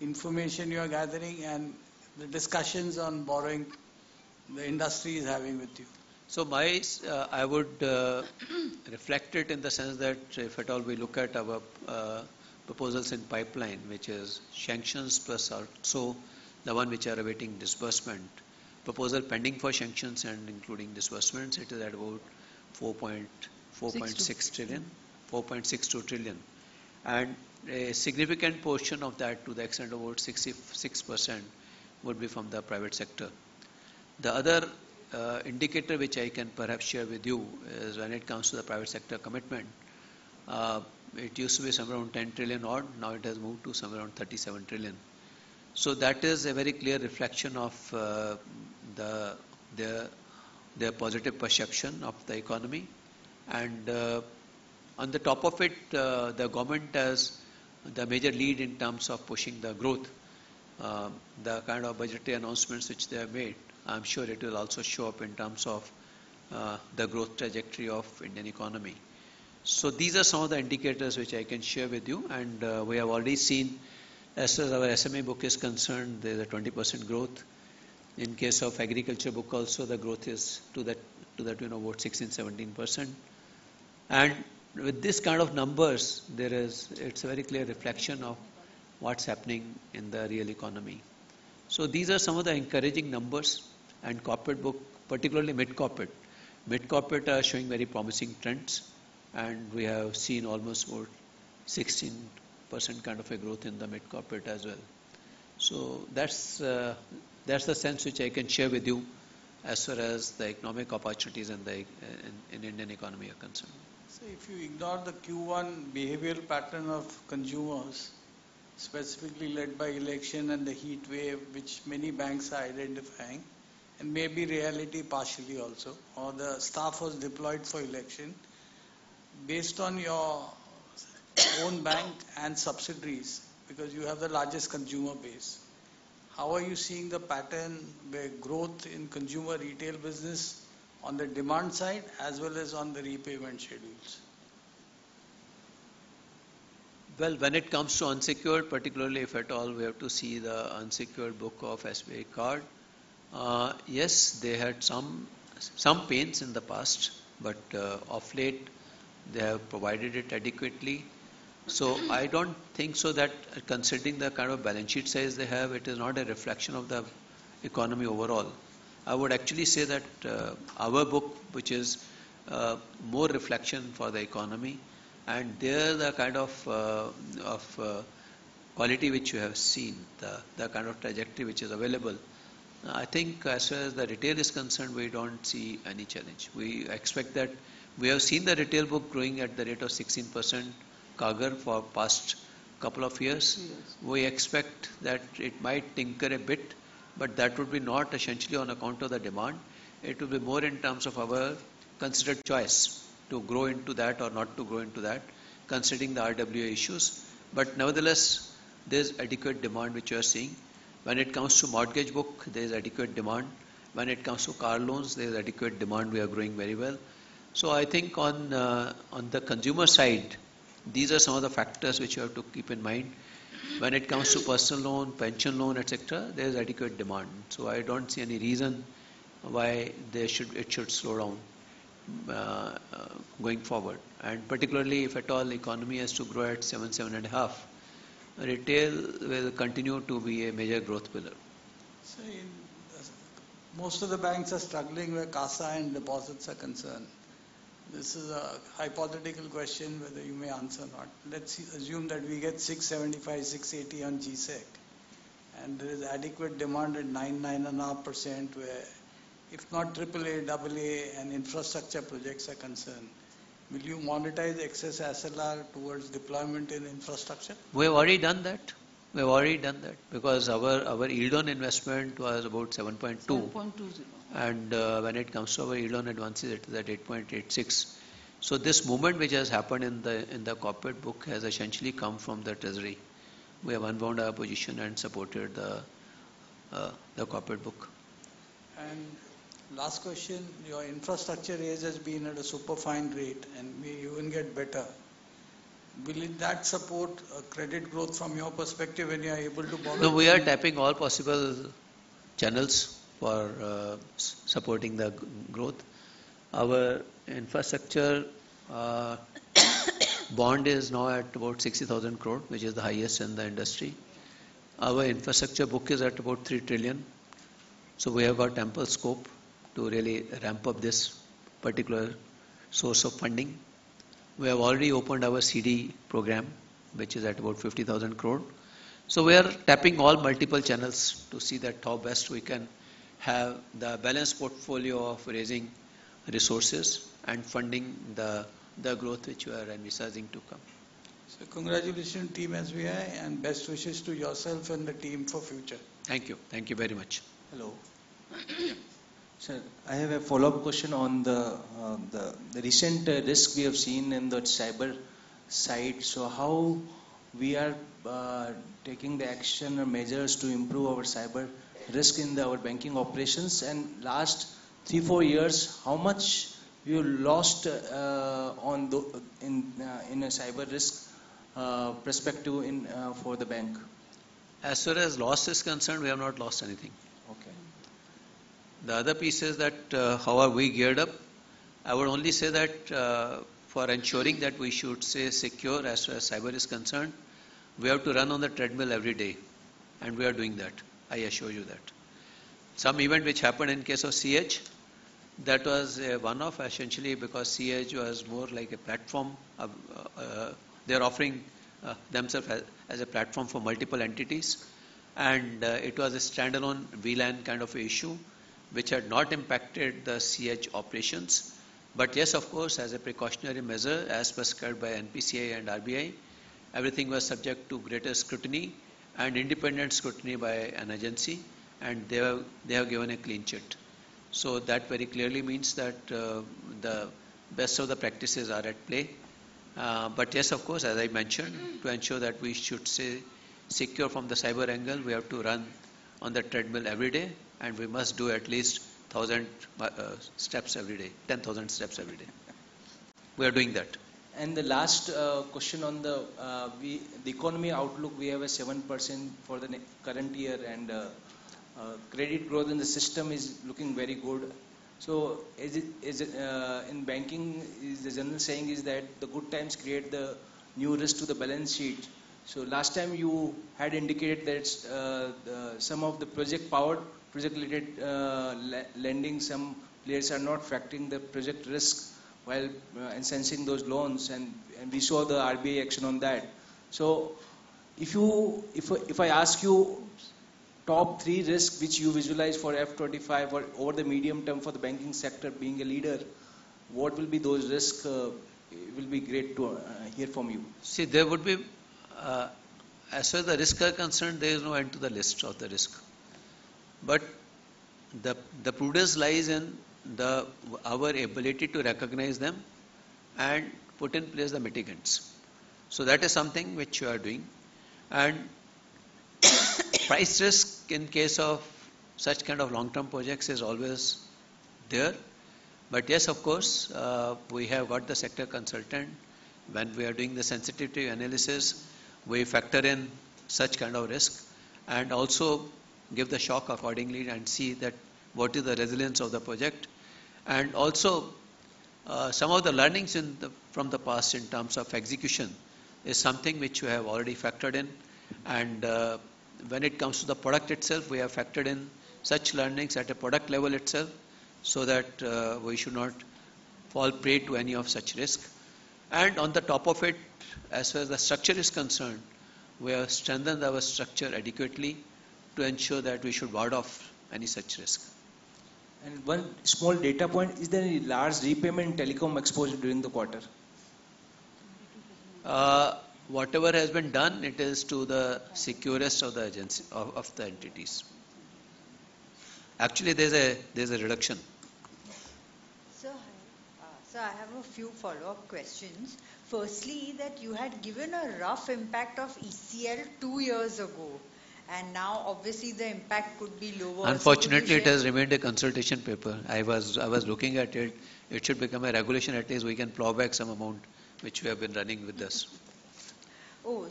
information you are gathering and the discussions on borrowing the industry is having with you? So, I would reflect it in the sense that if at all we look at our proposals in pipeline, which is sanctions plus also. So the one which are awaiting disbursement, proposal pending for sanctions and including disbursements, it is at about 4.6 trillion. And a significant portion of that to the extent of about 66% would be from the private sector. The other indicator which I can perhaps share with you is when it comes to the private sector commitment, it used to be somewhere around 10 trillion odd, now it has moved to somewhere around 37 trillion. So that is a very clear reflection of their positive perception of the economy. And on the top of it, the government has the major lead in terms of pushing the growth. The kind of budgetary announcements which they have made, I'm sure it will also show up in terms of the growth trajectory of Indian economy. These are some of the indicators which I can share with you. We have already seen as far as our SMA book is concerned, there's a 20% growth. In case of agriculture book also, the growth is to that about 16%-17%. With this kind of numbers, it's a very clear reflection of what's happening in the real economy. These are some of the encouraging numbers and corporate book, particularly mid-corporate. Mid-corporate are showing very promising trends. We have seen almost about 16% kind of a growth in the mid-corporate as well. That's the sense which I can share with you as far as the economic opportunities in the Indian economy are concerned. If you ignore the Q1 behavioral pattern of consumers, specifically led by election and the heat wave, which many banks are identifying, and maybe reality partially also, or the staff was deployed for election, based on your own bank and subsidiaries, because you have the largest consumer base, how are you seeing the pattern where growth in consumer retail business on the demand side as well as on the repayment schedules? Well, when it comes to unsecured, particularly if at all we have to see the unsecured book of SBI card, yes, they had some pains in the past, but of late they have provided it adequately. So I don't think so that considering the kind of balance sheet size they have, it is not a reflection of the economy overall. I would actually say that our book, which is more reflection for the economy, and there is a kind of quality which you have seen, the kind of trajectory which is available. I think as far as the retail is concerned, we don't see any challenge. We expect that we have seen the retail book growing at the rate of 16% CAGR for past couple of years. We expect that it might tinker a bit, but that would be not essentially on account of the demand. It would be more in terms of our considered choice to grow into that or not to grow into that considering the RWA issues. But nevertheless, there's adequate demand which you are seeing. When it comes to mortgage book, there's adequate demand. When it comes to car loans, there's adequate demand. We are growing very well. So I think on the consumer side, these are some of the factors which you have to keep in mind. When it comes to personal loan, pension loan, etc., there's adequate demand. So I don't see any reason why it should slow down going forward. And particularly if at all the economy has to grow at 7, 7.5, retail will continue to be a major growth pillar. Most of the banks are struggling where CASA and deposits are concerned. This is a hypothetical question whether you may answer or not. Let's assume that we get 675-680 on GSEC. And there is adequate demand at 9%-9.5% where if not AAA, AA and infrastructure projects are concerned, will you monetize excess SLR towards deployment in infrastructure? We have already done that. We have already done that because our yield on investment was about 7.2. And when it comes to our yield on advances, it is at 8.86. So this movement which has happened in the corporate book has essentially come from the treasury. We have unwound our position and supported the corporate book. Last question, your infrastructure rate has been at a super fine rate and you wouldn't get better. Will that support credit growth from your perspective when you are able to borrow? We are tapping all possible channels for supporting the growth. Our infrastructure bond is now at about 60,000 crore, which is the highest in the industry. Our infrastructure book is at about 3 trillion. So we have got ample scope to really ramp up this particular source of funding. We have already opened our CD program, which is at about 50,000 crore. So we are tapping all multiple channels to see that how best we can have the balanced portfolio of raising resources and funding the growth which we are envisaging to come. Congratulations team SBI and best wishes to yourself and the team for future. Thank you. Thank you very much. Hello. Sir, I have a follow-up question on the recent risk we have seen in the cyber side. So how we are taking the action or measures to improve our cyber risk in our banking operations? And last 3-4 years, how much you lost in a cyber risk perspective for the bank? As far as loss is concerned, we have not lost anything. The other piece is that how are we geared up? I would only say that for ensuring that we should stay secure as far as cyber is concerned, we have to run on the treadmill every day. We are doing that. I assure you that. Some event which happened in case of C-Edge, that was one off essentially because C-Edge was more like a platform. They are offering themselves as a platform for multiple entities. It was a standalone VLAN kind of issue which had not impacted the C-Edge operations. But yes, of course, as a precautionary measure as prescribed by NPCI and RBI, everything was subject to greater scrutiny and independent scrutiny by an agency. They have given a clean chit. That very clearly means that the best of the practices are at play. But yes, of course, as I mentioned, to ensure that we should stay secure from the cyber angle, we have to run on the treadmill every day. And we must do at least 1,000 steps every day, 10,000 steps every day. We are doing that. The last question on the economic outlook, we have a 7% for the current year. And credit growth in the system is looking very good. So in banking, the general saying is that the good times create the new risk to the balance sheet. So last time you had indicated that some of the power project-related lending, some players are not factoring the project risk while sanctioning those loans. And we saw the RBA action on that. So if I ask you top three risks which you visualize for FY 2025 or over the medium term for the banking sector being a leader, what will be those risks? It will be great to hear from you. See, there would be, as far as the risk are concerned, there is no end to the list of the risk. But the prudence lies in our ability to recognize them and put in place the mitigants. So that is something which you are doing. And price risk in case of such kind of long-term projects is always there. But yes, of course, we have got the sector consultant. When we are doing the sensitivity analysis, we factor in such kind of risk and also give the shock accordingly and see that what is the resilience of the project. And also some of the learnings from the past in terms of execution is something which we have already factored in. When it comes to the product itself, we have factored in such learnings at a product level itself so that we should not fall prey to any of such risk. On the top of it, as far as the structure is concerned, we have strengthened our structure adequately to ensure that we should ward off any such risk. One small data point, is there any large repayment telecom exposure during the quarter? Whatever has been done, it is to the securest of the entities. Actually, there's a reduction. I have a few follow-up questions. Firstly, that you had given a rough impact of ECL two years ago. Now obviously the impact could be lower. Unfortunately, it has remained a consultation paper. I was looking at it. It should become a regulation, at least we can plow back some amount which we have been running with this. Oh,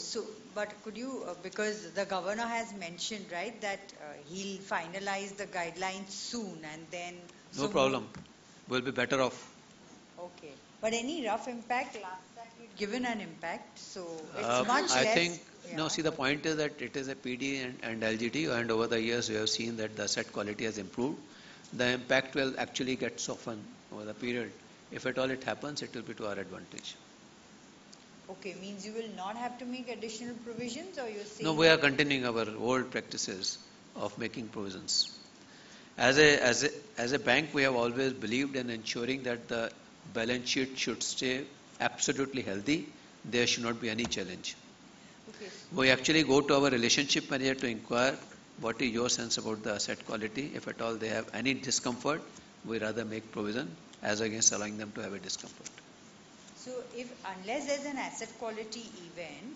but could you, because the governor has mentioned, right, that he'll finalize the guidelines soon and then? No problem. We'll be better off. Okay. But any rough impact last time you'd given an impact? So it's much less. I think, no, see the point is that it is a PD and LGD, and over the years we have seen that the asset quality has improved. The impact will actually get softened over the period. If at all it happens, it will be to our advantage. Okay. Means you will not have to make additional provisions or you'll see. No, we are continuing our old practices of making provisions. As a bank, we have always believed in ensuring that the balance sheet should stay absolutely healthy. There should not be any challenge. We actually go to our relationship manager to inquire what is your sense about the asset quality. If at all they have any discomfort, we'd rather make provision as against allowing them to have a discomfort. Unless there's an asset quality event,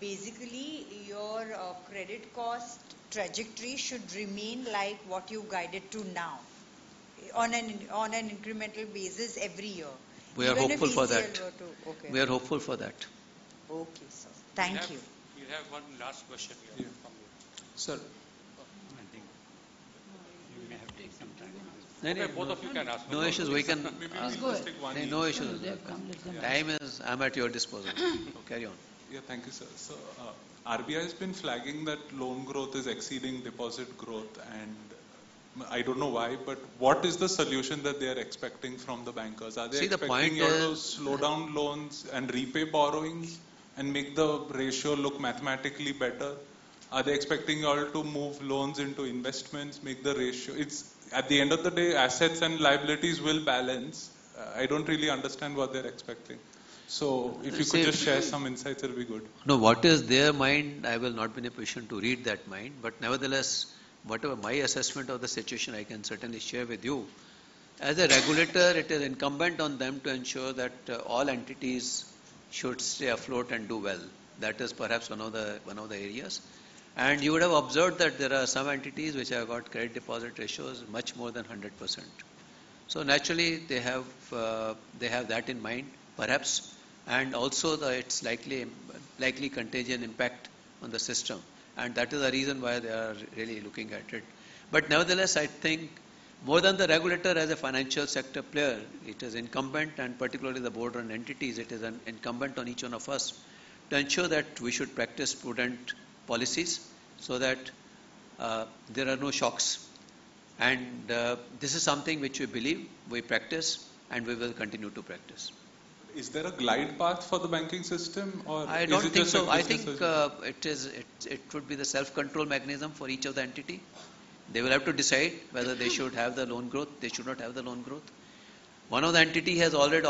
basically your credit cost trajectory should remain like what you guided to now on an incremental basis every year. We are hopeful for that. We are hopeful for that. Okay. Thank you. We have one last question from you. Sir, I think you may have taken some time. No, no issues. We can. That's good. No issues. Time is, I'm at your disposal. Carry on. Yeah, thank you, sir. So RBI has been flagging that loan growth is exceeding deposit growth. And I don't know why, but what is the solution that they are expecting from the bankers? Are they expecting you to slow down loans and repay borrowings and make the ratio look mathematically better? Are they expecting you all to move loans into investments, make the ratio? At the end of the day, assets and liabilities will balance. I don't really understand what they're expecting. So if you could just share some insights, it would be good. No, what is their mind, I will not be in a position to read that mind. But nevertheless, whatever my assessment of the situation, I can certainly share with you. As a regulator, it is incumbent on them to ensure that all entities should stay afloat and do well. That is perhaps one of the areas. And you would have observed that there are some entities which have got credit deposit ratios much more than 100%. So naturally, they have that in mind, perhaps. And also it's likely contagion impact on the system. And that is the reason why they are really looking at it. But nevertheless, I think more than the regulator as a financial sector player, it is incumbent and particularly the broader entities, it is incumbent on each one of us to ensure that we should practice prudent policies so that there are no shocks. This is something which we believe, we practice, and we will continue to practice. Is there a glide path for the banking system or is it just a? I think it would be the self-control mechanism for each of the entity. They will have to decide whether they should have the loan growth, they should not have the loan growth. One of the entities has already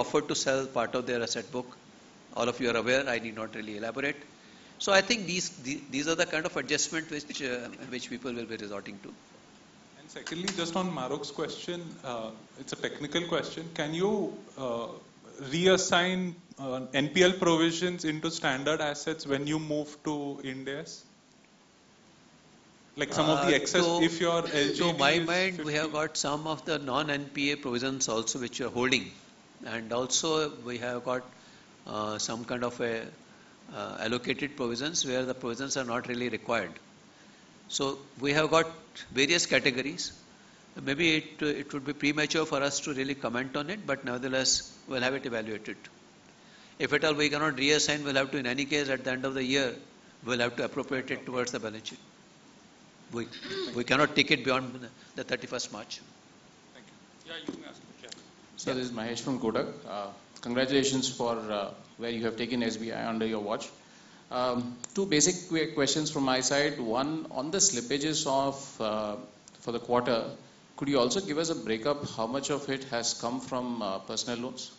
offered to sell part of their asset book. All of you are aware, I need not really elaborate. So I think these are the kind of adjustments which people will be resorting to. Secondly, just on Mahrukh's question, it's a technical question. Can you reassign NPL provisions into standard assets when you move to Ind AS? Like some of the excess if you are LGD? So in my mind, we have got some of the non-NPA provisions also which we are holding. And also we have got some kind of allocated provisions where the provisions are not really required. So we have got various categories. Maybe it would be premature for us to really comment on it, but nevertheless, we'll have it evaluated. If at all we cannot reassign, we'll have to in any case at the end of the year, we'll have to appropriate it towards the balance sheet. We cannot take it beyond the 31st March. Thank you. Yeah, you can ask him. This is Mahesh from Kotak. Congratulations for where you have taken SBI under your watch. Two basic quick questions from my side. One, on the slippages for the quarter, could you also give us a breakup how much of it has come from personal loans?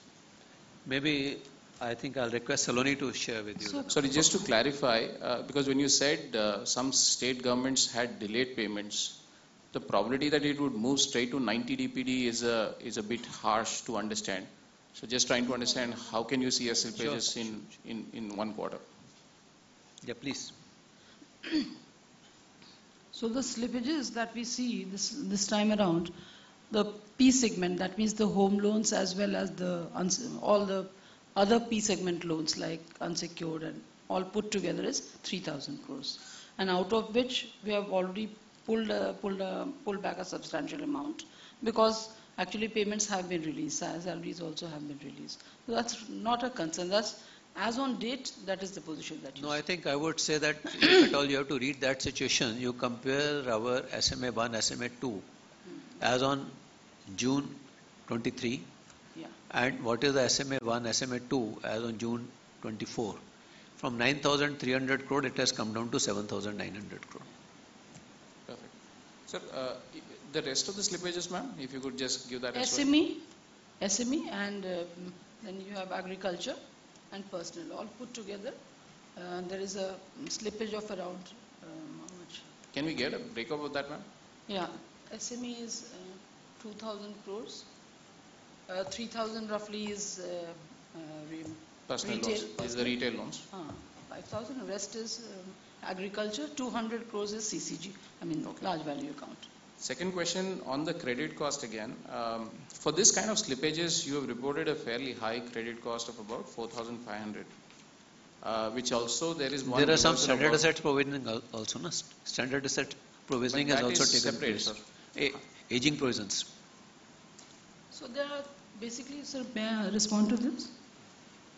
Maybe I think I'll request Saloni to share with you. Sorry, just to clarify, because when you said some state governments had delayed payments, the probability that it would move straight to 90 DPD is a bit harsh to understand. So just trying to understand how can you see your slippages in one quarter? Yeah, please. So the slippages that we see this time around, the P segment, that means the home loans as well as all the other P segment loans like unsecured and all put together is 3,000 crore. Out of which we have already pulled back a substantial amount because actually payments have been released, salaries also have been released. So that's not a concern. As on date, that is the position that you see. No, I think I would say that if at all you have to read that situation, you compare our SMA 1, SMA 2 as on June 23. What is the SMA 1, SMA 2 as on June 24? From 9,300 crore, it has come down to 7,900 crore. Perfect. Sir, the rest of the slippages, ma'am, if you could just give that answer. SME, SME, and then you have agriculture and personal, all put together. There is a slippage of around how much? Can we get a breakup of that, ma'am? Yeah. SME is 2,000 crore. 3,000 crore roughly is retail loans. Personal loans is the retail loans. 5,000. Rest is agriculture. 200 crore is CCG. I mean, large value account. Second question on the credit cost again. For this kind of slippages, you have reported a fairly high credit cost of about 4,500. Which also there is one. There are some standard asset provisions also now. Standard asset provisioning has also taken aging provisions. So, there are basically, sir, may I respond to this?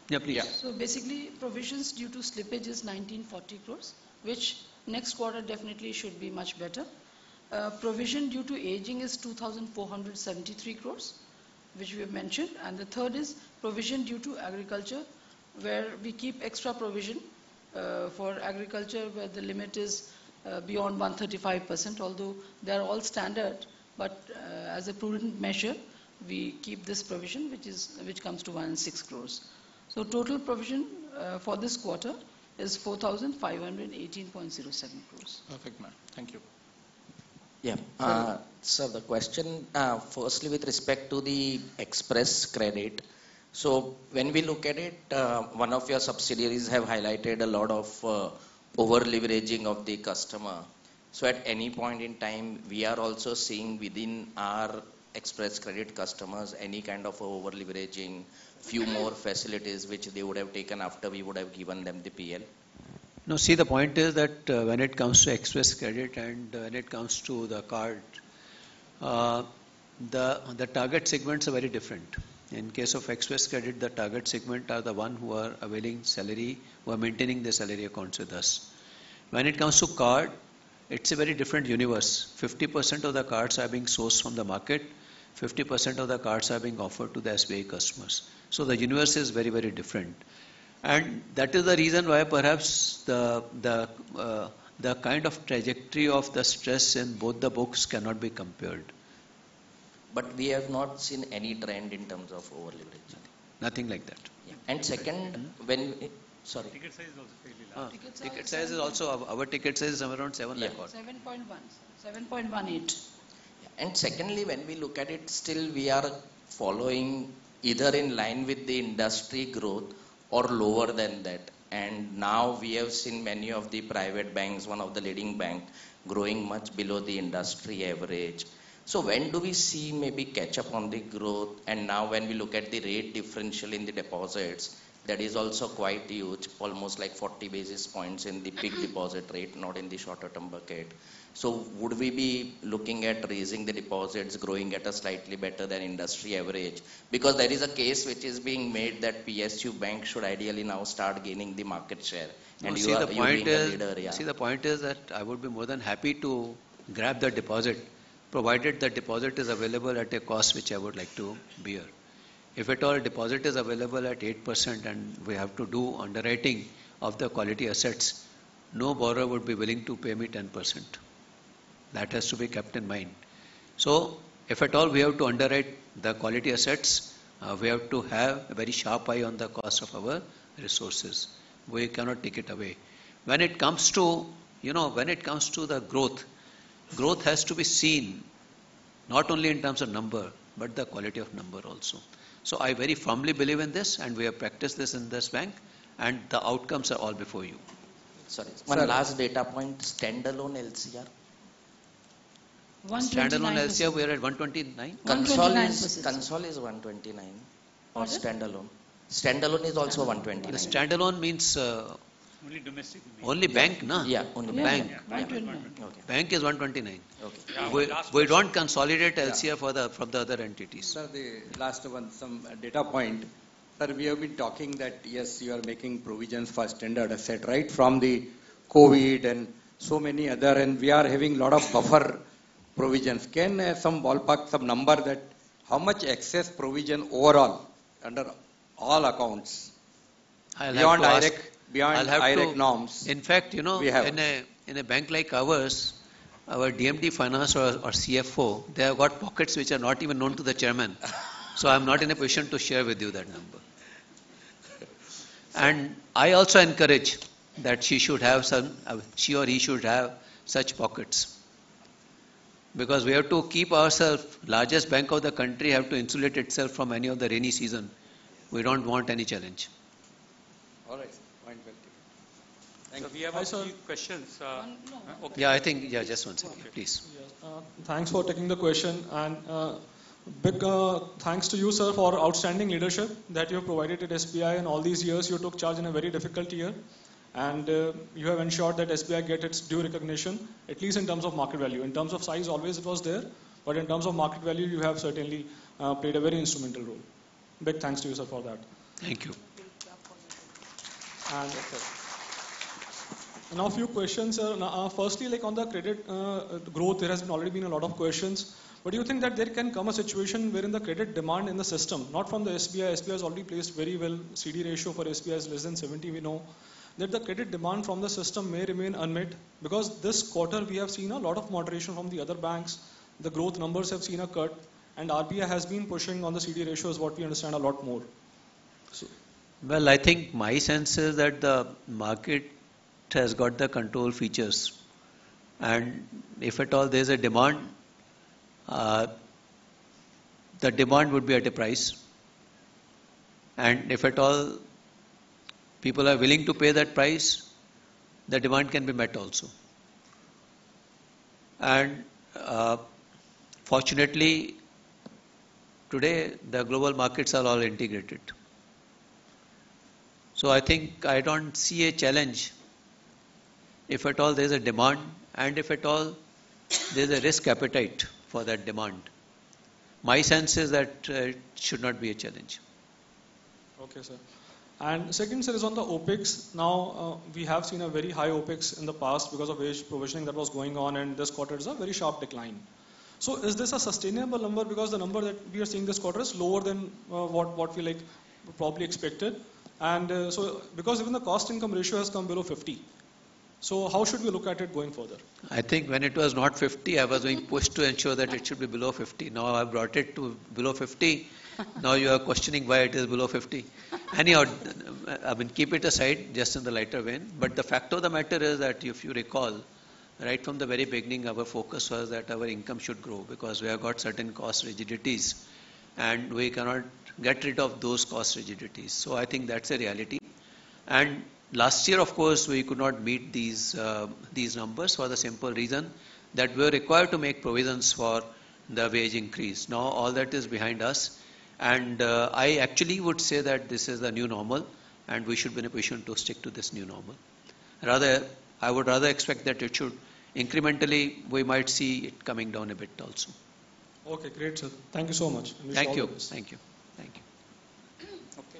Yeah, please. So basically provisions due to slippage is 1,940 crores, which next quarter definitely should be much better. Provision due to aging is 2,473 crores, which we have mentioned. And the third is provision due to agriculture where we keep extra provision for agriculture where the limit is beyond 135%. Although they are all standard, but as a prudent measure, we keep this provision which comes to 106 crores. So total provision for this quarter is 4,518.07 crores. Perfect, ma'am. Thank you. Yeah. So the question, firstly with respect to the Xpress Credit. So when we look at it, one of your subsidiaries have highlighted a lot of over-leveraging of the customer. So at any point in time, we are also seeing within our Xpress Credit customers any kind of over-leveraging, few more facilities which they would have taken after we would have given them the PL. No, see the point is that when it comes to Xpress Credit and when it comes to the card, the target segments are very different. In case of Xpress Credit, the target segment are the one who are availing salary, who are maintaining the salary accounts with us. When it comes to card, it's a very different universe. 50% of the cards are being sourced from the market. 50% of the cards are being offered to the SBI customers. So the universe is very, very different. And that is the reason why perhaps the kind of trajectory of the stress in both the books cannot be compared. But we have not seen any trend in terms of over-leverage. Nothing like that. Second, when sorry. Ticket size is also fairly large. Ticket size is also our ticket size is around 700,000 crore. 7.1, 7.18. And secondly, when we look at it, still we are following either in line with the industry growth or lower than that. And now we have seen many of the private banks, one of the leading bank, growing much below the industry average. So when do we see maybe catch up on the growth? And now when we look at the rate differential in the deposits, that is also quite huge, almost like 40 basis points in the big deposit rate, not in the shorter term bucket. So would we be looking at raising the deposits, growing at a slightly better than industry average? Because there is a case which is being made that PSU bank should ideally now start gaining the market share. And you are a big leader. See, the point is that I would be more than happy to grab the deposit provided the deposit is available at a cost which I would like to bear. If at all deposit is available at 8% and we have to do underwriting of the quality assets, no borrower would be willing to pay me 10%. That has to be kept in mind. So if at all we have to underwrite the quality assets, we have to have a very sharp eye on the cost of our resources. We cannot take it away. When it comes to, you know, when it comes to the growth, growth has to be seen not only in terms of number, but the quality of number also. So I very firmly believe in this and we have practiced this in this bank and the outcomes are all before you. Sorry, one last data point, standalone LCR. Standalone LCR, we are at 129%? Consolidated LCR is 129 on standalone. Standalone is also 129. Standalone means. Only domestic. Only bank, na? Yeah, only bank. Bank is 129. We don't consolidate LCR from the other entities. Sir, the last one, some data point. Sir, we have been talking that yes, you are making provisions for standard asset, right? From the COVID and so many other, and we are having a lot of buffer provisions. Can some ballpark, some number that how much excess provision overall under all accounts beyond direct norms? In fact, you know, in a bank like ours, our DMD Finance or CFO, they have got pockets which are not even known to the chairman. So I'm not in a position to share with you that number. And I also encourage that she should have some, she or he should have such pockets. Because we have to keep ourselves, largest bank of the country have to insulate itself from any of the rainy season. We don't want any challenge. All right. Thank you. We have a few questions. Yeah, I think, yeah, just one second, please. Thanks for taking the question. Big thanks to you, sir, for outstanding leadership that you have provided at SBI in all these years. You took charge in a very difficult year. You have ensured that SBI get its due recognition, at least in terms of market value. In terms of size, always it was there. In terms of market value, you have certainly played a very instrumental role. Big thanks to you, sir, for that. Thank you. And a few questions, sir. Firstly, like on the credit growth, there has already been a lot of questions. But do you think that there can come a situation wherein the credit demand in the system, not from the SBI, SBI has already placed very well, CD ratio for SBI is less than 70, we know, that the credit demand from the system may remain unmet? Because this quarter we have seen a lot of moderation from the other banks. The growth numbers have seen a cut. And RBI has been pushing on the CD ratio, is what we understand a lot more. Well, I think my sense is that the market has got the control features. And if at all there is a demand, the demand would be at a price. And if at all people are willing to pay that price, the demand can be met also. And fortunately, today the global markets are all integrated. So I think I don't see a challenge if at all there is a demand and if at all there is a risk appetite for that demand. My sense is that it should not be a challenge. Okay, sir. And second, sir, is on the OpEx. Now, we have seen a very high OpEx in the past because of provisioning that was going on and this quarter is a very sharp decline. So is this a sustainable number? Because the number that we are seeing this quarter is lower than what we like probably expected. And so because even the cost income ratio has come below 50. So how should we look at it going further? I think when it was not 50, I was being pushed to ensure that it should be below 50. Now I've brought it to below 50. Now you are questioning why it is below 50. Anyhow, I mean, keep it aside just in the lighter way. But the fact of the matter is that if you recall, right from the very beginning, our focus was that our income should grow because we have got certain cost rigidities. And we cannot get rid of those cost rigidities. So I think that's a reality. And last year, of course, we could not meet these numbers for the simple reason that we were required to make provisions for the wage increase. Now all that is behind us. And I actually would say that this is the new normal and we should be in a position to stick to this new normal. Rather, I would rather expect that it should incrementally, we might see it coming down a bit also. Okay, great. Sir, thank you so much. Thank you. Thank you. Thank you. Okay.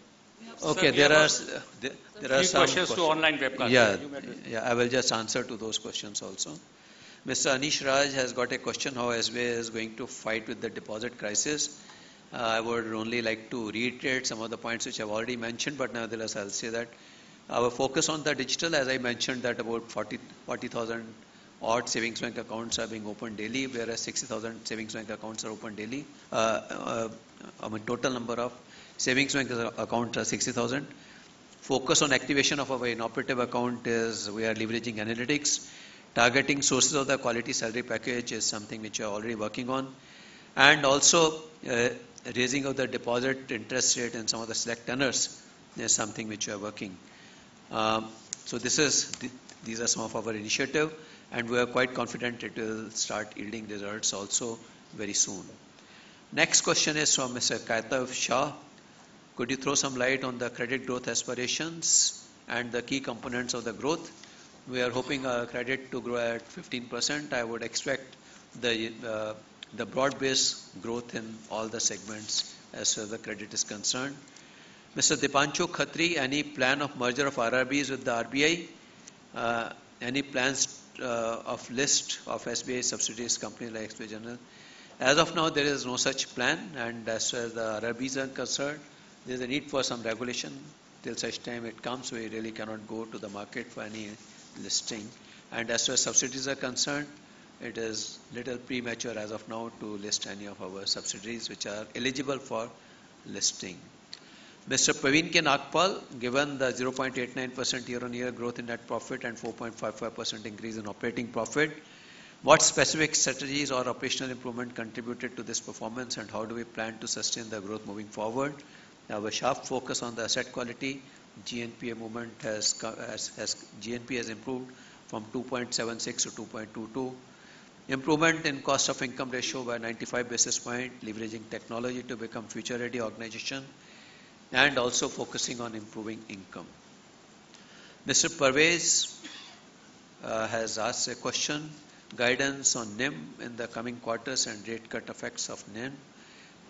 Okay, there are some questions. A few questions to online webcast. Yeah, I will just answer to those questions also. Mr. Anish Raj has got a question how SBI is going to fight with the deposit crisis. I would only like to reiterate some of the points which I've already mentioned, but nevertheless, I'll say that our focus on the digital, as I mentioned, that about 40,000 odd savings bank accounts are being opened daily, whereas 60,000 savings bank accounts are opened daily. I mean, total number of savings bank accounts are 60,000. Focus on activation of our inoperative account is we are leveraging analytics. Targeting sources of the quality salary package is something which we are already working on. And also raising of the deposit interest rate and some of the select tenors is something which we are working. So these are some of our initiatives. And we are quite confident it will start yielding results also very soon. Next question is from Mr. Kaitav Shah. Could you throw some light on the credit growth aspirations and the key components of the growth? We are hoping our credit to grow at 15%. I would expect the broad-based growth in all the segments as far as the credit is concerned. Mr. Deepanshu Khatri, any plan of merger of RRBs with the RBI? Any plans of list of SBI subsidiary companies like SBI General? As of now, there is no such plan. As far as the RRBs are concerned, there is a need for some regulation. Until such time it comes, we really cannot go to the market for any listing. As far as subsidiaries are concerned, it is a little premature as of now to list any of our subsidiaries which are eligible for listing. Mr. Praveen K. Nagpal, given the 0.89% year-on-year growth in net profit and 4.55% increase in operating profit, what specific strategies or operational improvement contributed to this performance and how do we plan to sustain the growth moving forward? We have a sharp focus on the asset quality. GNP has improved from 2.76 to 2.22. Improvement in cost of income ratio by 95 basis point, leveraging technology to become future-ready organization, and also focusing on improving income. Mr. Parvez has asked a question, guidance on NIM in the coming quarters and rate cut effects of NIM.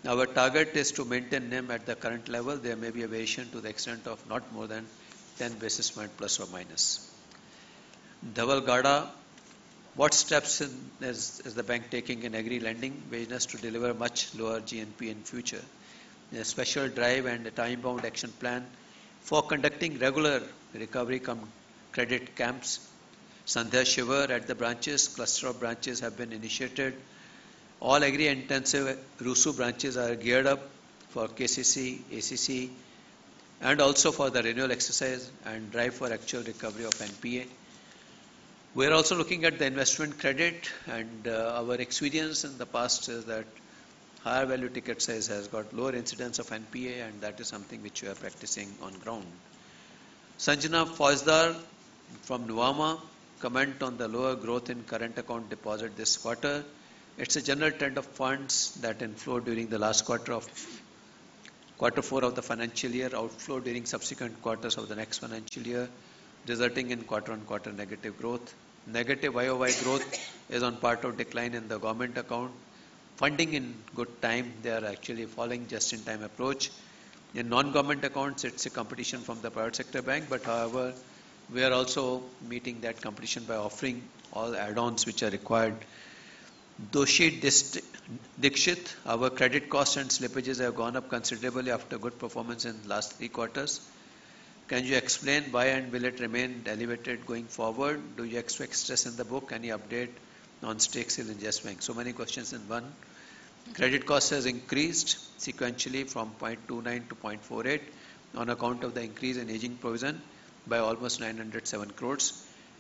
Our target is to maintain NIM at the current level. There may be a variation to the extent of not more than 10 basis point ±. Dhaval Gada, what steps is the bank taking in agri lending business to deliver much lower GNP in future? A special drive and a time-bound action plan for conducting regular recovery credit camps. Such drives at the branches, clusters of branches have been initiated. All agri-intensive rural branches are geared up for KCC, ACC, and also for the renewal exercise and drive for actual recovery of NPA. We are also looking at the investment credit, and our experience in the past is that higher value ticket size has got lower incidence of NPA, and that is something which we are practicing on ground. Sanjana Fauzdar from Nuvama, comment on the lower growth in current account deposit this quarter. It's a general trend of funds that inflow during the last quarter of quarter four of the financial year, outflow during subsequent quarters of the next financial year, resulting in quarter-on-quarter negative growth. Negative YoY growth is on account of decline in the government account. Funding in good time, they are actually following just-in-time approach. In non-government accounts, it's a competition from the private sector bank, but however, we are also meeting that competition by offering all add-ons which are required. Dixit Doshi, our credit costs and slippages have gone up considerably after good performance in the last three quarters. Can you explain why and will it remain elevated going forward? Do you expect stress in the book? Any update on stakes in industry? So many questions in one. Credit cost has increased sequentially from 0.29% to 0.48% on account of the increase in aging provision by almost 907 crore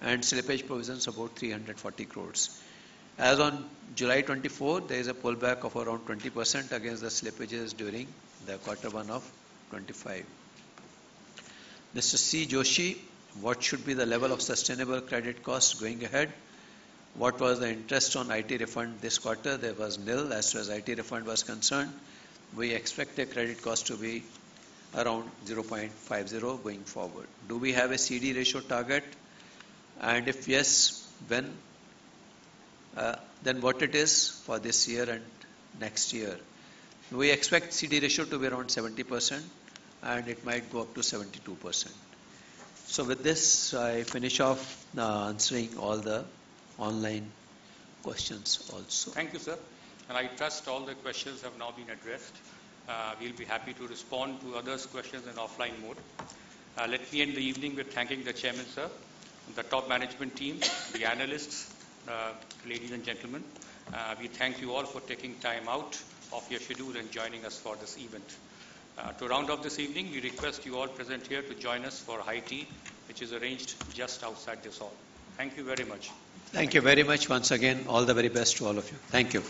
and slippage provisions about 340 crore. As on July 24, there is a pullback of around 20% against the slippages during the quarter one of 2025. Mr. C. Joshi, what should be the level of sustainable credit cost going ahead? What was the interest on IT refund this quarter? There was nil as far as IT refund was concerned. We expect the credit cost to be around 0.50 going forward. Do we have a CD ratio target? And if yes, then what it is for this year and next year? We expect CD ratio to be around 70%, and it might go up to 72%. So with this, I finish off answering all the online questions also. Thank you, sir. I trust all the questions have now been addressed. We'll be happy to respond to others' questions in offline mode. Let me end the evening with thanking the Chairman, sir, the top management team, the analysts, ladies and gentlemen. We thank you all for taking time out of your schedule and joining us for this event. To round up this evening, we request you all present here to join us for high tea, which is arranged just outside this hall. Thank you very much. Thank you very much once again. All the very best to all of you. Thank you.